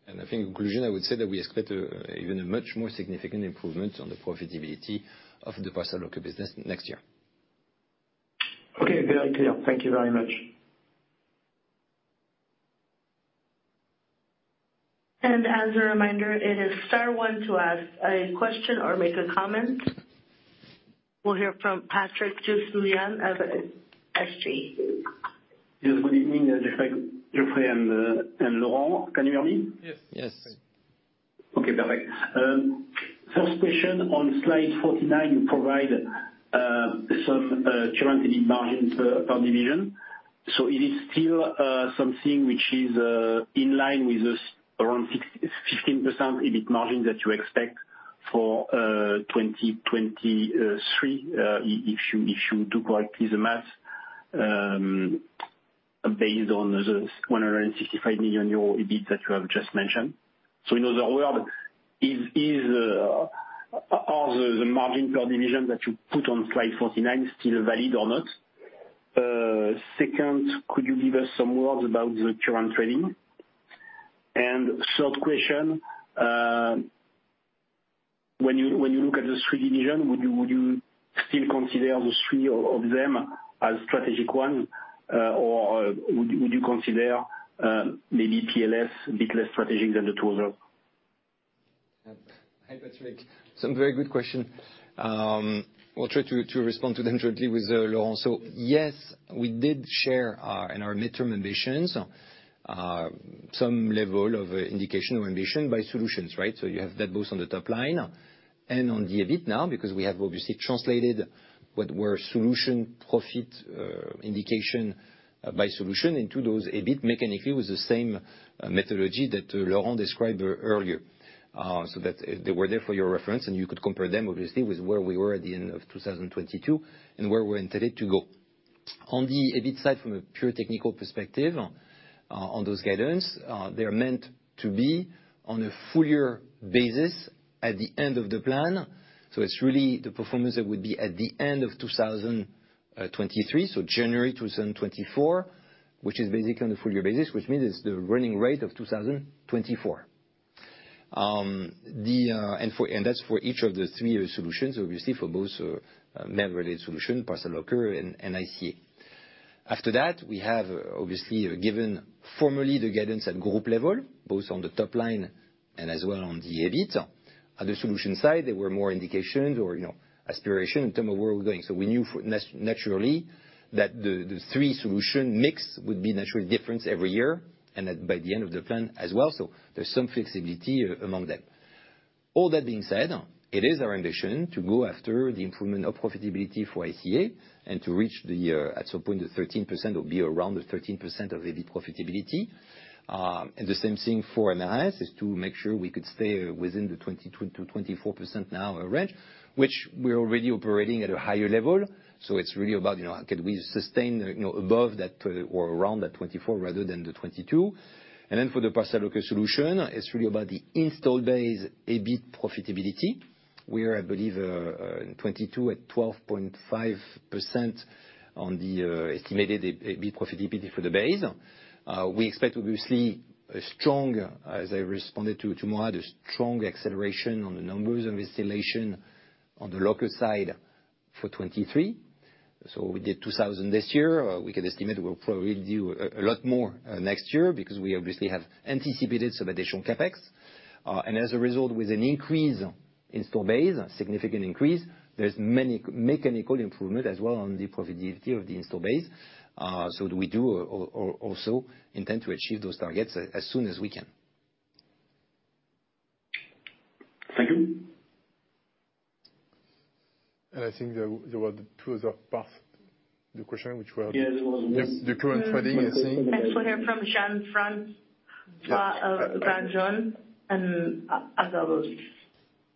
I think in conclusion, I would say that we expect even a much more significant improvement on the profitability of the Parcel Locker business next year. Okay. Good idea. Thank you very much. As a reminder, it is star one to ask a question or make a comment. We'll hear from Patrick Jousseaume of SG. Yes. Good evening, Geoffrey and Laurent. Can you hear me? Yes. Yes. Okay, perfect. First question, on slide 49, you provide some current EBIT margins per division. It is still something which is in line with the around 15% EBIT margin that you expect for 2023 if you do correctly the math, based on the 165 million euro EBIT that you have just mentioned. In other words, are the margin per division that you put on slide 49 still valid or not? Second, could you give us some words about the current trading? Third question, when you look at the three division, would you still consider the three of them as strategic one, or would you consider maybe PLS a bit less strategic than the two other? Hi, Patrick. Some very good question. We'll try to respond to them directly with Laurent. Yes, we did share our, in our midterm ambitions, some level of indication or ambition by solutions, right? You have that both on the top line and on the EBIT now because we have obviously translated what were solution profit indication by solution into those EBIT mechanically with the same methodology that Laurent described earlier. So that they were there for your reference, and you could compare them obviously with where we were at the end of 2022 and where we're intended to go. On the EBIT side from a pure technical perspective, on those guidance, they're meant to be on a full year basis at the end of the plan. It's really the performance that would be at the end of 2023, January 2024, which is basically on a full year basis, which means it's the running rate of 2024. That's for each of the three solutions, obviously for both Mail-Related Solutions, Parcel Locker and ICA. After that, we have obviously given formally the guidance at group level, both on the top line and as well on the EBIT. At the solution side, there were more indications or, you know, aspiration in terms of where we're going. We knew naturally that the three solution mix would be naturally different every year and that by the end of the plan as well. There's some flexibility among them. All that being said, it is our ambition to go after the improvement of profitability for ICA and to reach the at some point the 13% or be around the 13% of EBIT profitability. The same thing for MRS is to make sure we could stay within the 20%-24% now range, which we're already operating at a higher level. It's really about, you know, can we sustain, you know, above that or around that 24 rather than the 22. For the Parcel Locker solution, it's really about the install base EBIT profitability. We are, I believe, in 2022 at 12.5% on the estimated EBIT profitability for the base. We expect obviously a strong, as I responded to Mourad, the strong acceleration on the numbers of installation on the Locker side for 2023. We did 2,000 this year. We can estimate we'll probably do a lot more next year because we obviously have anticipated some additional CapEx. As a result, with an increase installed base, a significant increase, there's many mechanical improvement as well on the profitability of the installed base. We do also intend to achieve those targets as soon as we can. Thank you. I think there were two other parts of the question which were... Yeah, there was- The current trading, I think. One here from Jean-Francois of Oddo BHF.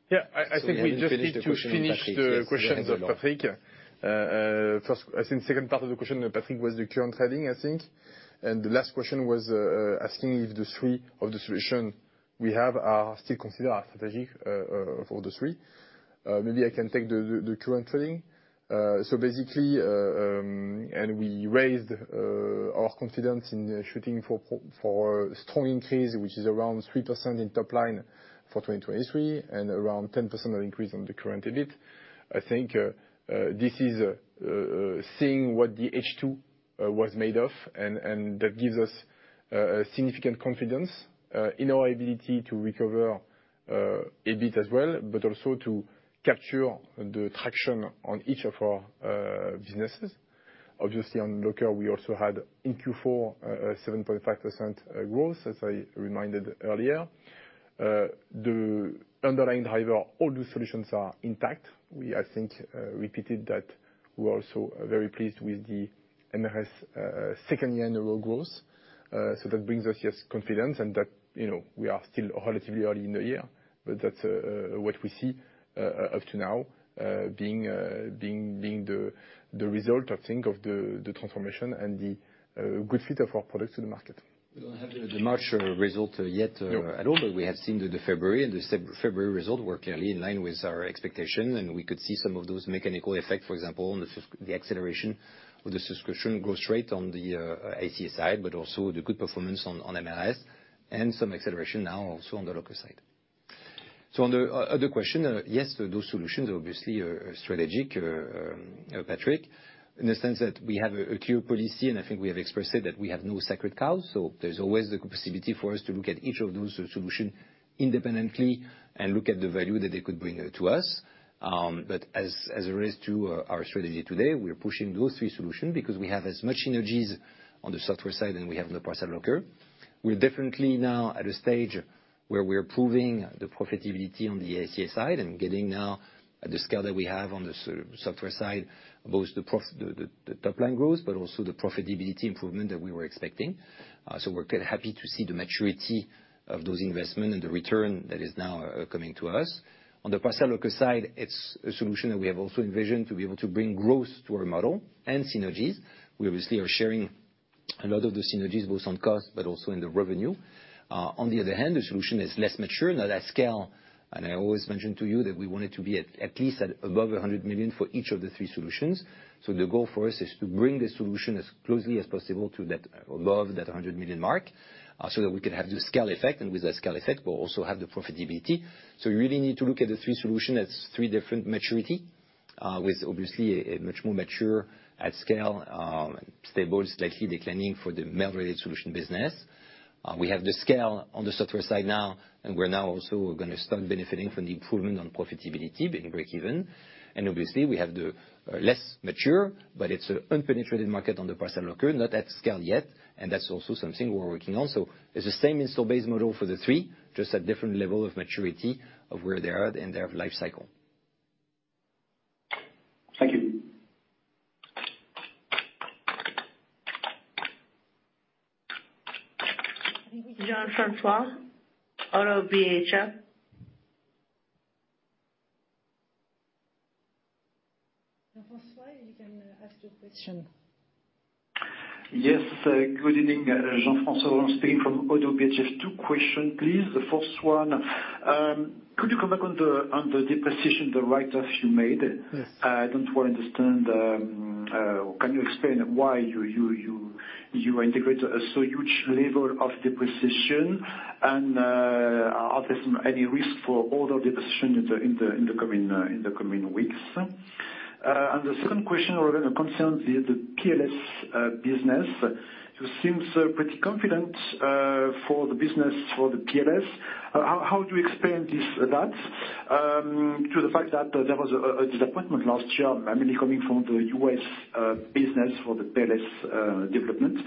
Yeah, I think we just need to finish the questions of Patrick. First, I think second part of the question, Patrick, was the current trading, I think. The last question was asking if the three of the solution we have are still considered our strategy for the three. Maybe I can take the current trading. Basically, we raised our confidence in shooting for strong increase, which is around 3% in top line for 2023, and around 10% of increase on the current EBIT. I think this is seeing what the H2 was made of, and that gives us a significant confidence in our ability to recover EBIT as well, but also to capture the traction on each of our businesses. Obviously, on Locker, we also had in Q4, a 7.5% growth, as I reminded earlier. The underlying driver, all the solutions are intact. We, I think, repeated that we're also very pleased with the MRS, second annual growth. That brings us, yes, confidence and that, you know, we are still relatively early in the year. That's what we see, up to now, being the result, I think, of the transformation and the good fit of our products in the market. We don't have the March result yet at all, but we have seen the February, and the February result were clearly in line with our expectation, and we could see some of those mechanical effects, for example, on the acceleration of the subscription growth rate on the ICA side, but also the good performance on MRS and some acceleration now also on the local side. On the other question, yes, those solutions obviously are strategic, Patrick, in the sense that we have a clear policy, and I think we have expressed it, that we have no sacred cows. There's always the capacity for us to look at each of those solution independently and look at the value that they could bring to us. As, as it relates to our strategy today, we are pushing those three solution because we have as much synergies on the software side than we have on the Parcel Locker. We're definitely now at a stage where we're proving the profitability on the ICA side and getting now the scale that we have on the software side, both the top line growth, but also the profitability improvement that we were expecting. We're happy to see the maturity of those investment and the return that is now coming to us. On the Parcel Locker side, it's a solution that we have also envisioned to be able to bring growth to our model and synergies. We obviously are sharing a lot of the synergies, both on cost, but also in the revenue. On the other hand, the solution is less mature, not at scale. I always mention to you that we want it to be at least at above 100 million for each of the 3 solutions. The goal for us is to bring the solution as closely as possible to that, above that 100 million mark, so that we can have the scale effect, and with that scale effect, we'll also have the profitability. You really need to look at the three solution as three different maturity, with obviously a much more mature at scale, stable, slightly declining for the Mail-Related Solutions business. We have the scale on the software side now, and we're now also gonna start benefiting from the improvement on profitability being breakeven. Obviously, we have the less mature, but it's an unpenetrated market on the Parcel Locker, not at scale yet, and that's also something we're working on. It's the same install base model for the three, just at different level of maturity of where they are in their life cycle. Thank you. Jean-Francois, Oddo BHF. Jean-Francois, you can ask your question. Yes. Good evening. Jean-Francois speaking from Oddo BHF. Two question, please. The first one, could you come back on the depreciation, the write-off you made? Yes. I don't well understand, can you explain why you integrate a so huge level of depreciation? Are there some, any risk for other depreciation in the coming weeks? The second question rather concerns the PLS business. You seems pretty confident for the business for the PLS. How do you explain this, that to the fact that there was a disappointment last year, mainly coming from the U.S. business for the PLS development.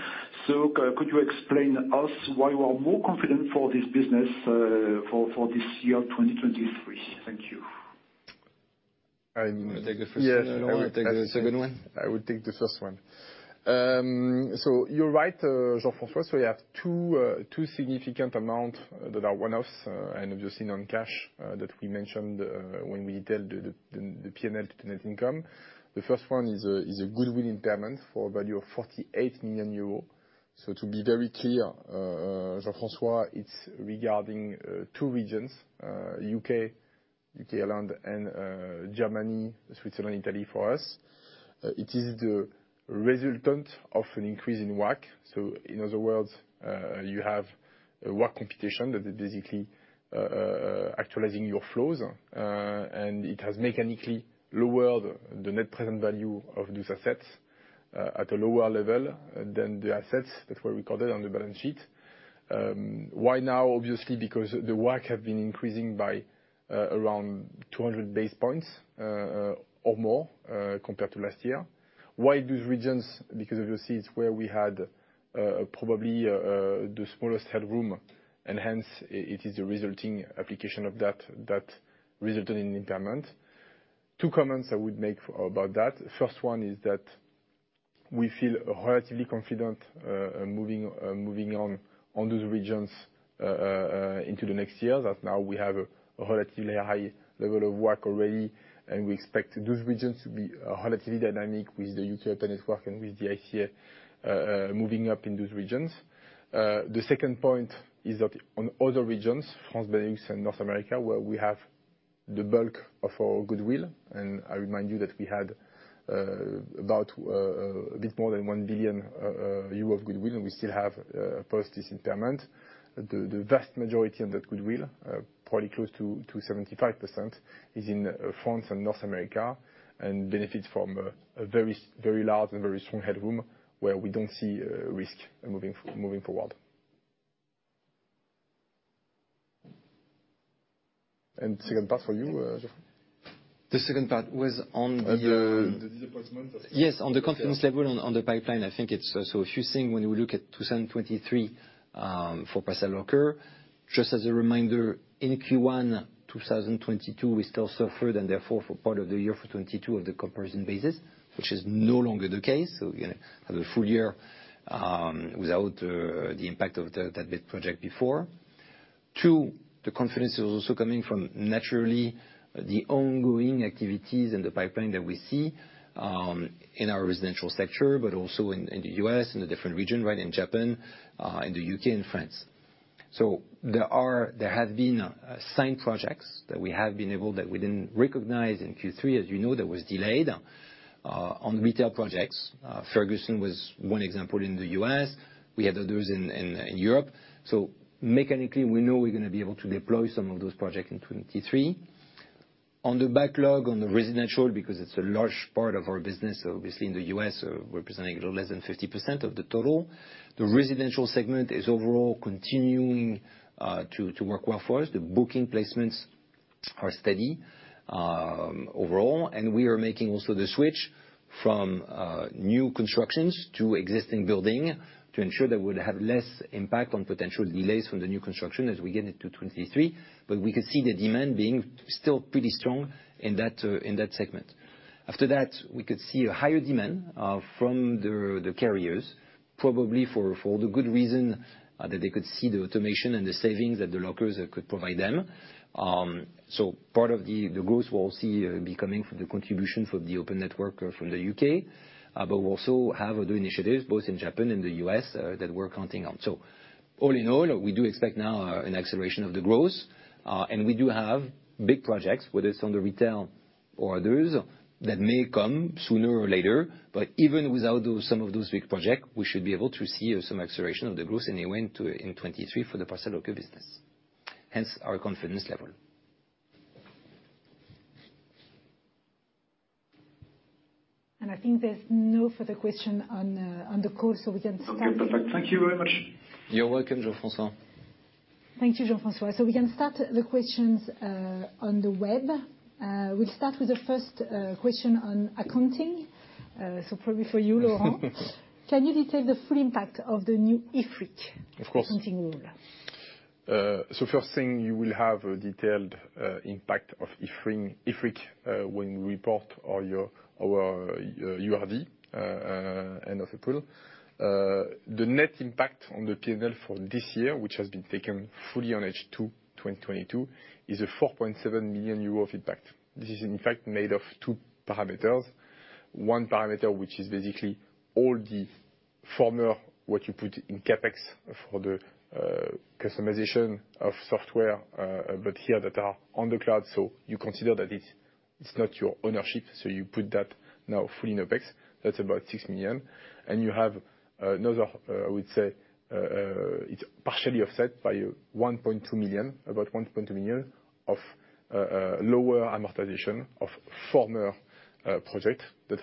Could you explain us why you are more confident for this business, for this year, 2023? Thank you. You wanna take the first one? Yes. I will take the second one. I will take the first one. You're right, Jean-Francois, we have two significant amount that are one-offs and obviously non-cash that we mentioned when we detailed the P&L to net income. The first one is a goodwill impairment for value of 48 million euros. To be very clear, Jean-Francois, it's regarding two regions, U.K., Ireland, and Germany, Switzerland, Italy for us. It is the resultant of an increase in WACC. In other words, you have a WACC competition that is basically actualizing your flows. It has mechanically lowered the net present value of these assets at a lower level than the assets that were recorded on the balance sheet. Why now? Obviously, because the WACC have been increasing by around 200 basis points or more compared to last year. Why those regions? As you see, it's where we had probably the smallest headroom, and hence it is a resulting application of that resulted in impairment. Two comments I would make about that. First one is that we feel relatively confident moving on on those regions into the next year, that now we have a relatively high level of WACC already, and we expect those regions to be relatively dynamic with the U.K. open WACC and with the ICA moving up in those regions. The second point is that on other regions, France, Benelux, and North America, where we have the bulk of our goodwill. I remind you that we had about a bit more than 1 billion euro of goodwill, and we still have post this impairment. The vast majority of that goodwill, probably close to 75%, is in France and North America and benefits from a very large and very strong headroom, where we don't see risk moving forward. Second part for you, Jean. The second part was on the- On the disappointment of- Yes, on the confidence level on the pipeline. I think it's a few things when you look at 2023, for Parcel Locker, just as a reminder, in Q1 2022, we still suffered, and therefore for part of the year for 2022 on the comparison basis, which is no longer the case. We're going to have a full year without the impact of the, that big project before. Two, the confidence is also coming from naturally the ongoing activities in the pipeline that we see in our residential sector, but also in the U.S., in the different region, right, in Japan, in the U.K. and France. There have been signed projects that we have been able, that we didn't recognize in Q3, as you know, that was delayed on retail projects. Ferguson was one example in the U.S. We have others in Europe. Mechanically, we know we're gonna be able to deploy some of those projects in 2023. On the backlog on the residential, because it's a large part of our business, obviously in the U.S., representing a little less than 50% of the total, the residential segment is overall continuing to work well for us. The booking placements are steady overall, and we are making also the switch from new constructions to existing building to ensure that we'll have less impact on potential delays from the new construction as we get into 2023. We can see the demand being still pretty strong in that segment. After that, we could see a higher demand from the carriers, probably for the good reason that they could see the automation and the savings that the lockers could provide them. Part of the growth we'll see be coming from the contribution from the open network from the U.K. We also have other initiatives, both in Japan and the U.S, that we're counting on. All in all, we do expect now an acceleration of the growth, and we do have big projects, whether it's on the retail or others, that may come sooner or later. Even without those, some of those big projects, we should be able to see some acceleration of the growth anyway in 2023 for the Parcel Locker business, hence our confidence level. I think there's no further question on the call, so we can stop. Okay, perfect. Thank you very much. You're welcome, Jean-Francois. Thank you, Jean-Francois. We can start the questions on the web. We'll start with the first question on accounting. Probably for you, Laurent. Can you detail the full impact of the new IFRIC- Of course.... accounting rule? First thing, you will have a detailed impact of IFRS, IFRIC, when we report all your, our URD end of April. The net impact on the P&L for this year, which has been taken fully on H2 2022, is a 4.7 million euro of impact. This is in fact made of two parameters. One parameter, which is basically all the former, what you put in CapEx for the customization of software, but here that are on the cloud, so you consider that it's not your ownership, so you put that now fully in OpEx. That's about 6 million. You have another, I would say, it's partially offset by 1.2 million, about 1.2 million of lower amortization of former project that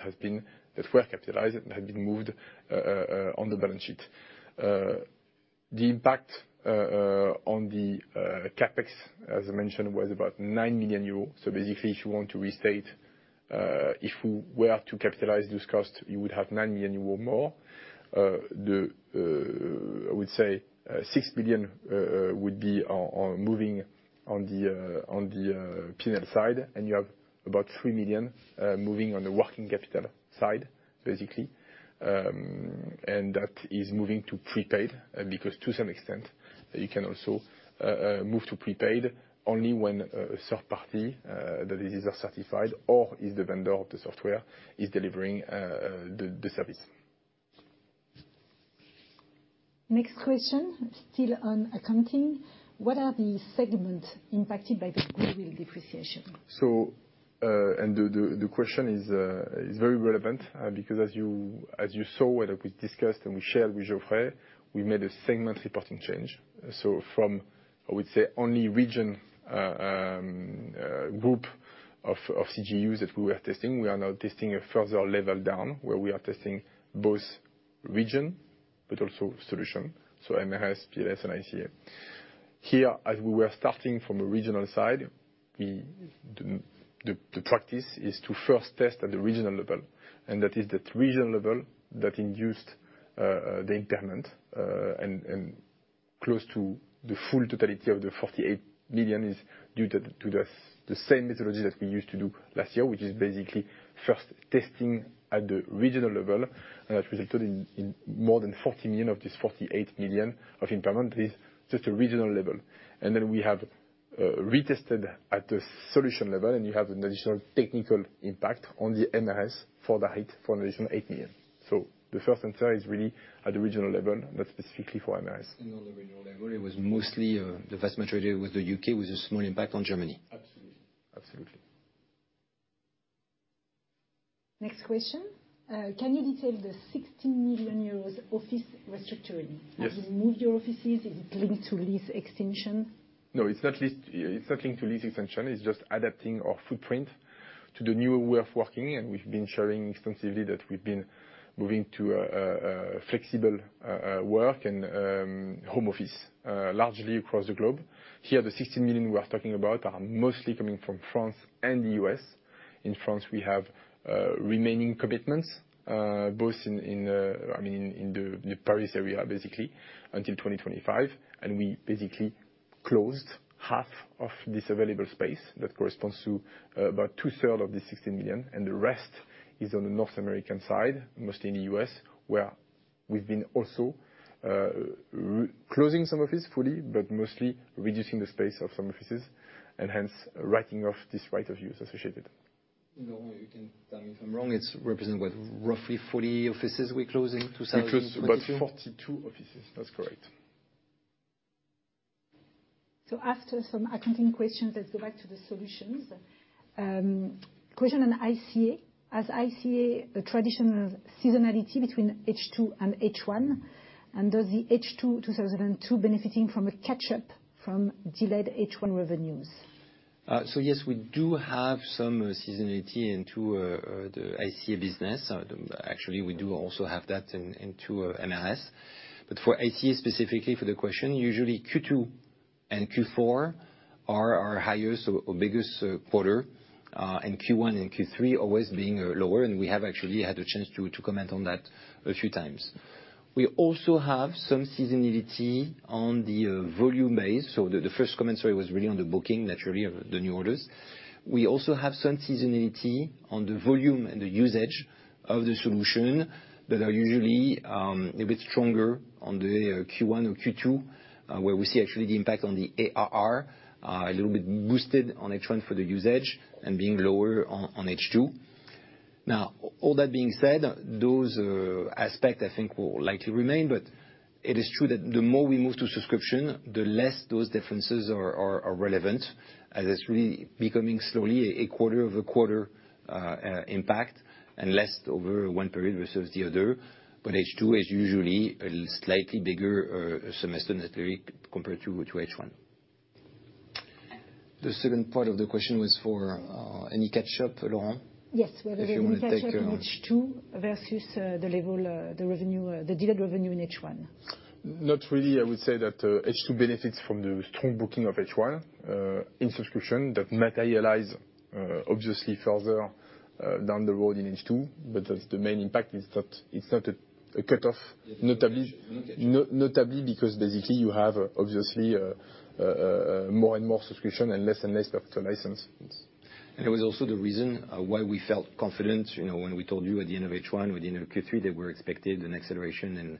were capitalized and have been moved on the balance sheet. The impact on the CapEx, as I mentioned, was about 9 million euros. Basically, if you want to restate, if we were to capitalize this cost, you would have 9 million euro more. The I would say, 6 million would be on moving on the P&L side, and you have about 3 million moving on the working capital side, basically. That is moving to prepaid, because to some extent, you can also move to prepaid only when a third party that is either certified or is the vendor of the software, is delivering the service. Next question, still on accounting. What are the segments impacted by the goodwill depreciation? The question is very relevant, because as you saw, what we discussed and we shared with Geoffrey, we made a segment reporting change. From, I would say, only region, group of CGUs that we were testing, we are now testing a further level down, where we are testing both region, but also solution. MRS, PLS and ICA. Here, as we were starting from a regional side, the practice is to first test at the regional level, and that is that regional level that induced the impairment, and close to the full totality of the 48 million is due to the same methodology that we used to do last year, which is basically first testing at the regional level, and that resulted in more than 40 million of this 48 million of impairment is just a regional level. Then we have retested at the solution level, and you have an additional technical impact on the MRS for an additional 8 million. The first answer is really at the regional level, not specifically for MRS. On the regional level, it was mostly, the vast majority was the U.K. with a small impact on Germany. Absolutely. Absolutely. Next question. Can you detail the 60 million euros office restructuring? Yes. Have you moved your offices? Is it linked to lease extension? No, it's not linked to lease extension. It's just adapting our footprint to the new way of working, and we've been sharing extensively that we've been moving to a flexible work and home office largely across the globe. Here, the 60 million we are talking about are mostly coming from France and the U.S. In France, we have remaining commitments, both in, I mean, in the Paris area, basically, until 2025, and we basically closed half of this available space. That corresponds to about two-third of the 60 million, and the rest is on the North American side, mostly in the U.S., where we've been also closing some offices fully, but mostly reducing the space of some offices and hence writing off this right of use associated. Laurent, you can tell me if I'm wrong. It's represent what, roughly 40 offices we're closing 2022? We closed about 42 offices. That's correct. After some accounting questions, let's go back to the solutions. Question on ICA. Has ICA a traditional seasonality between H2 and H1, and does the H2 2022 benefiting from a catch-up from delayed H1 revenues? Yes, we do have some seasonality into the ICA business. Actually, we do also have that into MRS. For ICA specifically for the question, usually Q2 and Q4 are our highest or biggest quarter, and Q1 and Q3 always being lower, and we have actually had a chance to comment on that a few times. We also have some seasonality on the volume base. The first comment, sorry, was really on the booking, naturally, of the new orders. We also have some seasonality on the volume and the usage of the solution that are usually a bit stronger on the Q1 or Q2, where we see actually the impact on the ARR a little bit boosted on H1 for the usage and being lower on H2. All that being said, those aspect, I think, will likely remain, it is true that the more we move to subscription, the less those differences are relevant, as it's really becoming slowly a quarter-over-quarter impact and less over one period versus the other. H2 is usually a slightly bigger semester naturally compared to H1. The second part of the question was for, any catch-up, Laurent? Yes. Whether any catch-up- If you wanna take. in H2 versus, the level, the revenue, the delayed revenue in H1. Not really. I would say that H2 benefits from the strong booking of H1 in subscription that materialize obviously further down the road in H2. That's the main impact. It's not, it's not a cutoff. No catch-up. notably because basically you have, obviously, more and more subscription and less and less perpetual license. It was also the reason, you know, why we felt confident, when we told you at the end of H1 or the end of Q3 that we're expected an acceleration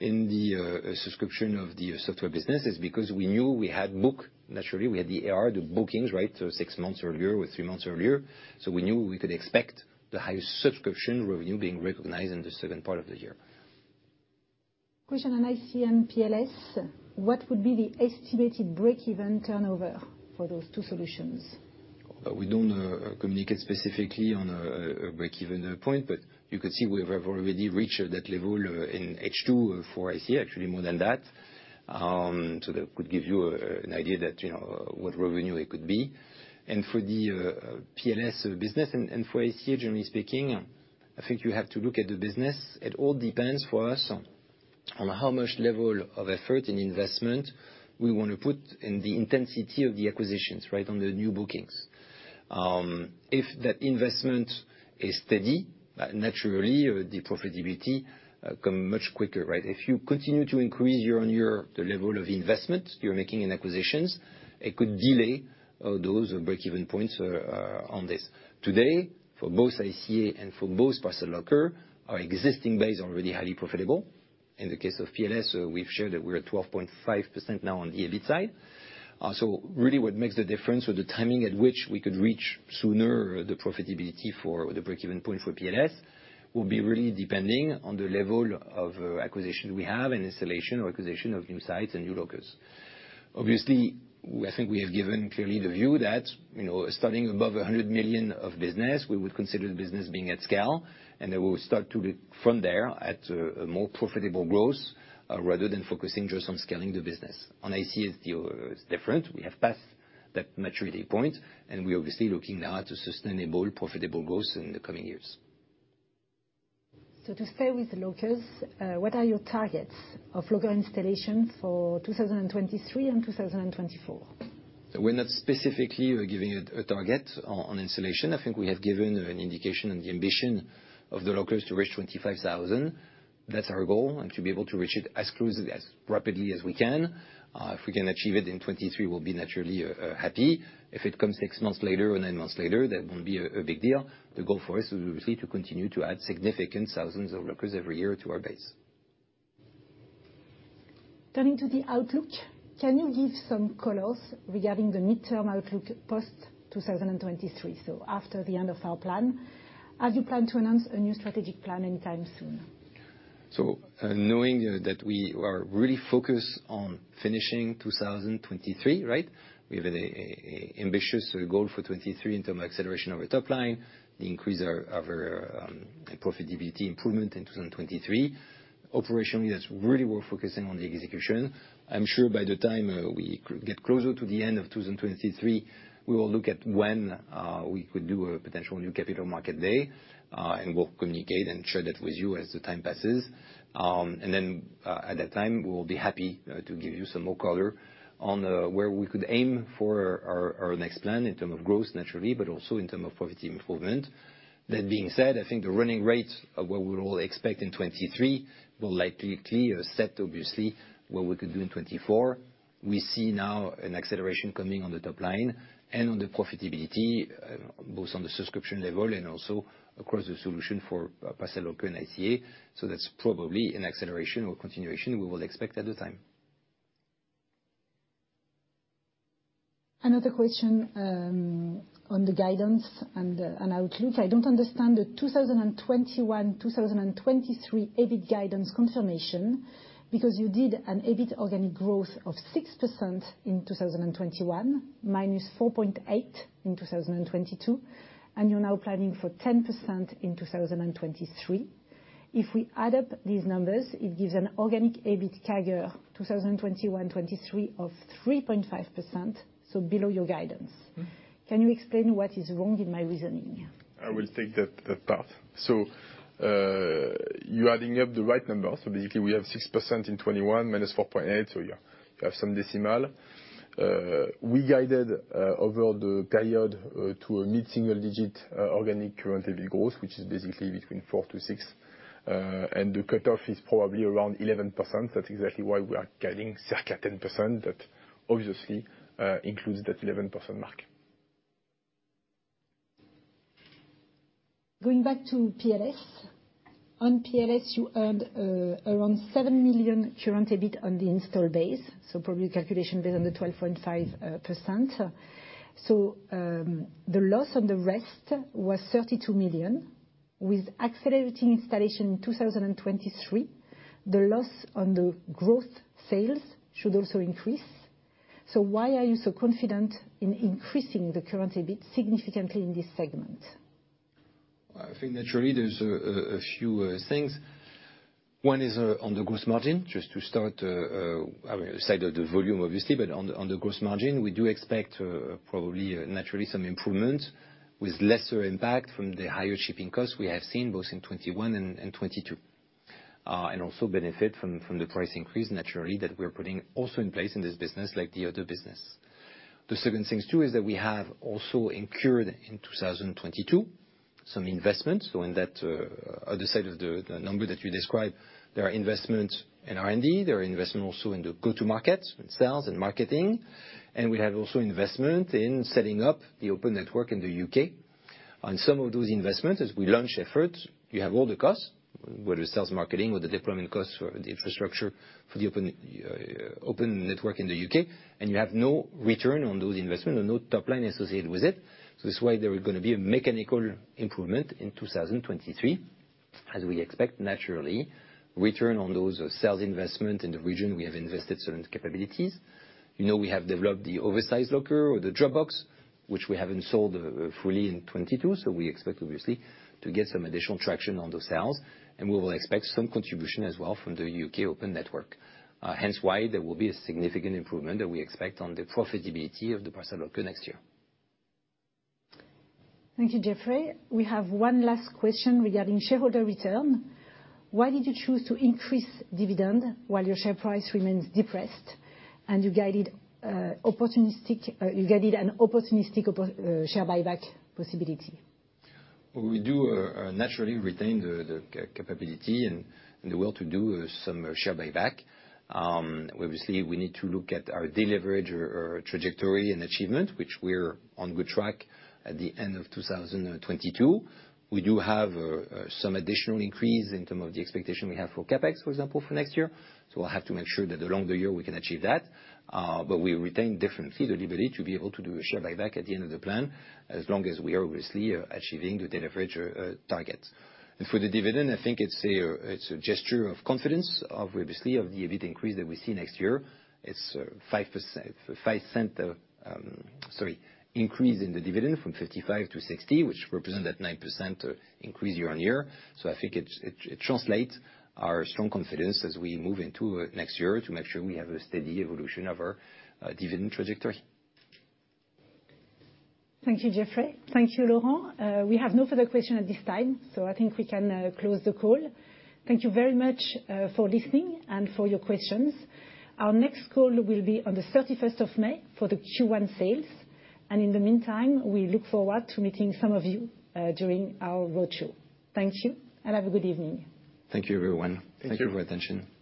in the subscription of the software business is because we knew we had booked. Naturally, we had the ARR, the bookings, right? 6 months earlier or 3 months earlier. We knew we could expect the highest subscription revenue being recognized in the second part of the year. Question on ICA PLS. What would be the estimated break-even turnover for those two solutions? We don't communicate specifically on a break-even point, but you could see we have already reached that level in H2 for ICA, actually more than that. So that could give you an idea that, you know, what revenue it could be. For the PLS business and for ICA, generally speaking, I think you have to look at the business. It all depends for us on how much level of effort and investment we wanna put and the intensity of the acquisitions, right, on the new bookings. If that investment is steady, naturally the profitability come much quicker, right? If you continue to increase year-on-year the level of investment you're making in acquisitions, it could delay those break-even points on this. Today, for both ICA and for both Parcel Locker, our existing base are already highly profitable. In the case of PLS, we've shared that we're at 12.5% now on the EBIT side. Really what makes the difference with the timing at which we could reach sooner the profitability for the break-even point for PLS will be really depending on the level of acquisition we have and installation or acquisition of new sites and new lockers.I think we have given clearly the view that, you know, starting above 100 million of business, we would consider the business being at scale, and then we will start from there at a more profitable growth rather than focusing just on scaling the business. On ICA still is different. We have passed that maturity point, and we're obviously looking now to sustainable profitable growth in the coming years. to stay with the lockers, what are your targets of locker installation for 2023 and 2024? We're not specifically giving a target on installation. I think we have given an indication on the ambition of the lockers to reach 25,000. That's our goal, to be able to reach it as close, as rapidly as we can. If we can achieve it in 2023, we'll be naturally happy. If it comes six months later or nine months later, that won't be a big deal. The goal for us is obviously to continue to add significant thousands of lockers every year to our base. Turning to the outlook, can you give some colors regarding the midterm outlook post 2023, so after the end of our plan? Have you planned to announce a new strategic plan anytime soon? Knowing that we are really focused on finishing 2023, right? We have an ambitious goal for 23 in term of acceleration of our top line, the increase of our profitability improvement in 2023. Operationally, that's really we're focusing on the execution. I'm sure by the time we get closer to the end of 2023, we will look at when we could do a potential new Capital Markets Day, and we'll communicate and share that with you as the time passes. At that time, we will be happy to give you some more color on where we could aim for our next plan in term of growth, naturally, but also in term of profit improvement. That being said, I think the running rates of what we would all expect in 2023 will likely set obviously what we could do in 2024. We see now an acceleration coming on the top line and on the profitability, both on the subscription level and also across the solution for Parcel Locker and ICA. That's probably an acceleration or continuation we will expect at the time. Another question on the guidance and outlook. I don't understand the 2021-2023 EBIT guidance confirmation because you did an EBIT organic growth of 6% in 2021, -4.8% in 2022, and you're now planning for 10% in 2023. If we add up these numbers, it gives an organic EBIT CAGR 2021-2023 of 3.5%, so below your guidance. Mm-hmm. Can you explain what is wrong in my reasoning? I will take that part. You're adding up the right numbers. Basically, we have 6% in 2021 minus 4.8, you have some decimal. We guided over the period to a mid-single digit organic current EBIT growth, which is basically between 4%-6%, and the cutoff is probably around 11%. That's exactly why we are guiding circa 10%. That obviously includes that 11% mark. Going back to PLS. On PLS, you earned, around 7 million current EBIT on the install base, probably calculation based on the 12.5%. The loss on the rest was 32 million. With accelerating installation in 2023, the loss on the growth sales should also increase. Why are you so confident in increasing the current EBIT significantly in this segment? I think naturally there's a few things. One is, on the gross margin, just to start, I mean, aside of the volume obviously, but on the gross margin, we do expect probably naturally some improvement with lesser impact from the higher shipping costs we have seen both in 2021 and 2022. Also benefit from the price increase naturally that we're putting also in place in this business like the other business. The second things too is that we have also incurred in 2022 some investments. In that other side of the number that you described, there are investments in R&D, there are investment also in the go-to-markets, in sales and marketing, and we have also investment in setting up the open network in the U.K. On some of those investments, as we launch efforts, you have all the costs, whether it's sales, marketing or the deployment costs for the infrastructure for the open network in the U.K., and you have no return on those investment and no top line associated with it. That's why there is gonna be a mechanical improvement in 2023, as we expect naturally return on those sales investment in the region we have invested certain capabilities. You know, we have developed the oversized locker or the Drop Box, which we haven't sold, fully in 2022, we expect obviously to get some additional traction on the sales, and we will expect some contribution as well from the U.K. open network. There will be a significant improvement that we expect on the profitability of the Parcel Locker next year. Thank you, Geoffrey. We have one last question regarding shareholder return. Why did you choose to increase dividend while your share price remains depressed and you guided opportunistic, you guided an opportunistic share buyback possibility? We do naturally retain the capability and the will to do some share buyback. Obviously we need to look at our de-leverage or trajectory and achievement, which we're on good track at the end of 2022. We do have some additional increase in term of the expectation we have for CapEx, for example, for next year. We'll have to make sure that along the year we can achieve that. We retain definitely the ability to be able to do a share buyback at the end of the plan, as long as we are obviously achieving the de-leverage targets. For the dividend, I think it's a gesture of confidence of obviously of the EBIT increase that we see next year. It's 0.05, sorry, increase in the dividend from 0.55 to 0.60, which represent that 9% increase year-over-year. I think it translates our strong confidence as we move into next year to make sure we have a steady evolution of our dividend trajectory. Thank you, Geoffrey. Thank you, Laurent. We have no further question at this time. I think we can close the call. Thank you very much for listening and for your questions. Our next call will be on the 31st of May for the Q1 sales. In the meantime, we look forward to meeting some of you during our roadshow. Thank you and have a good evening. Thank you, everyone. Thank you. Thank you for your attention.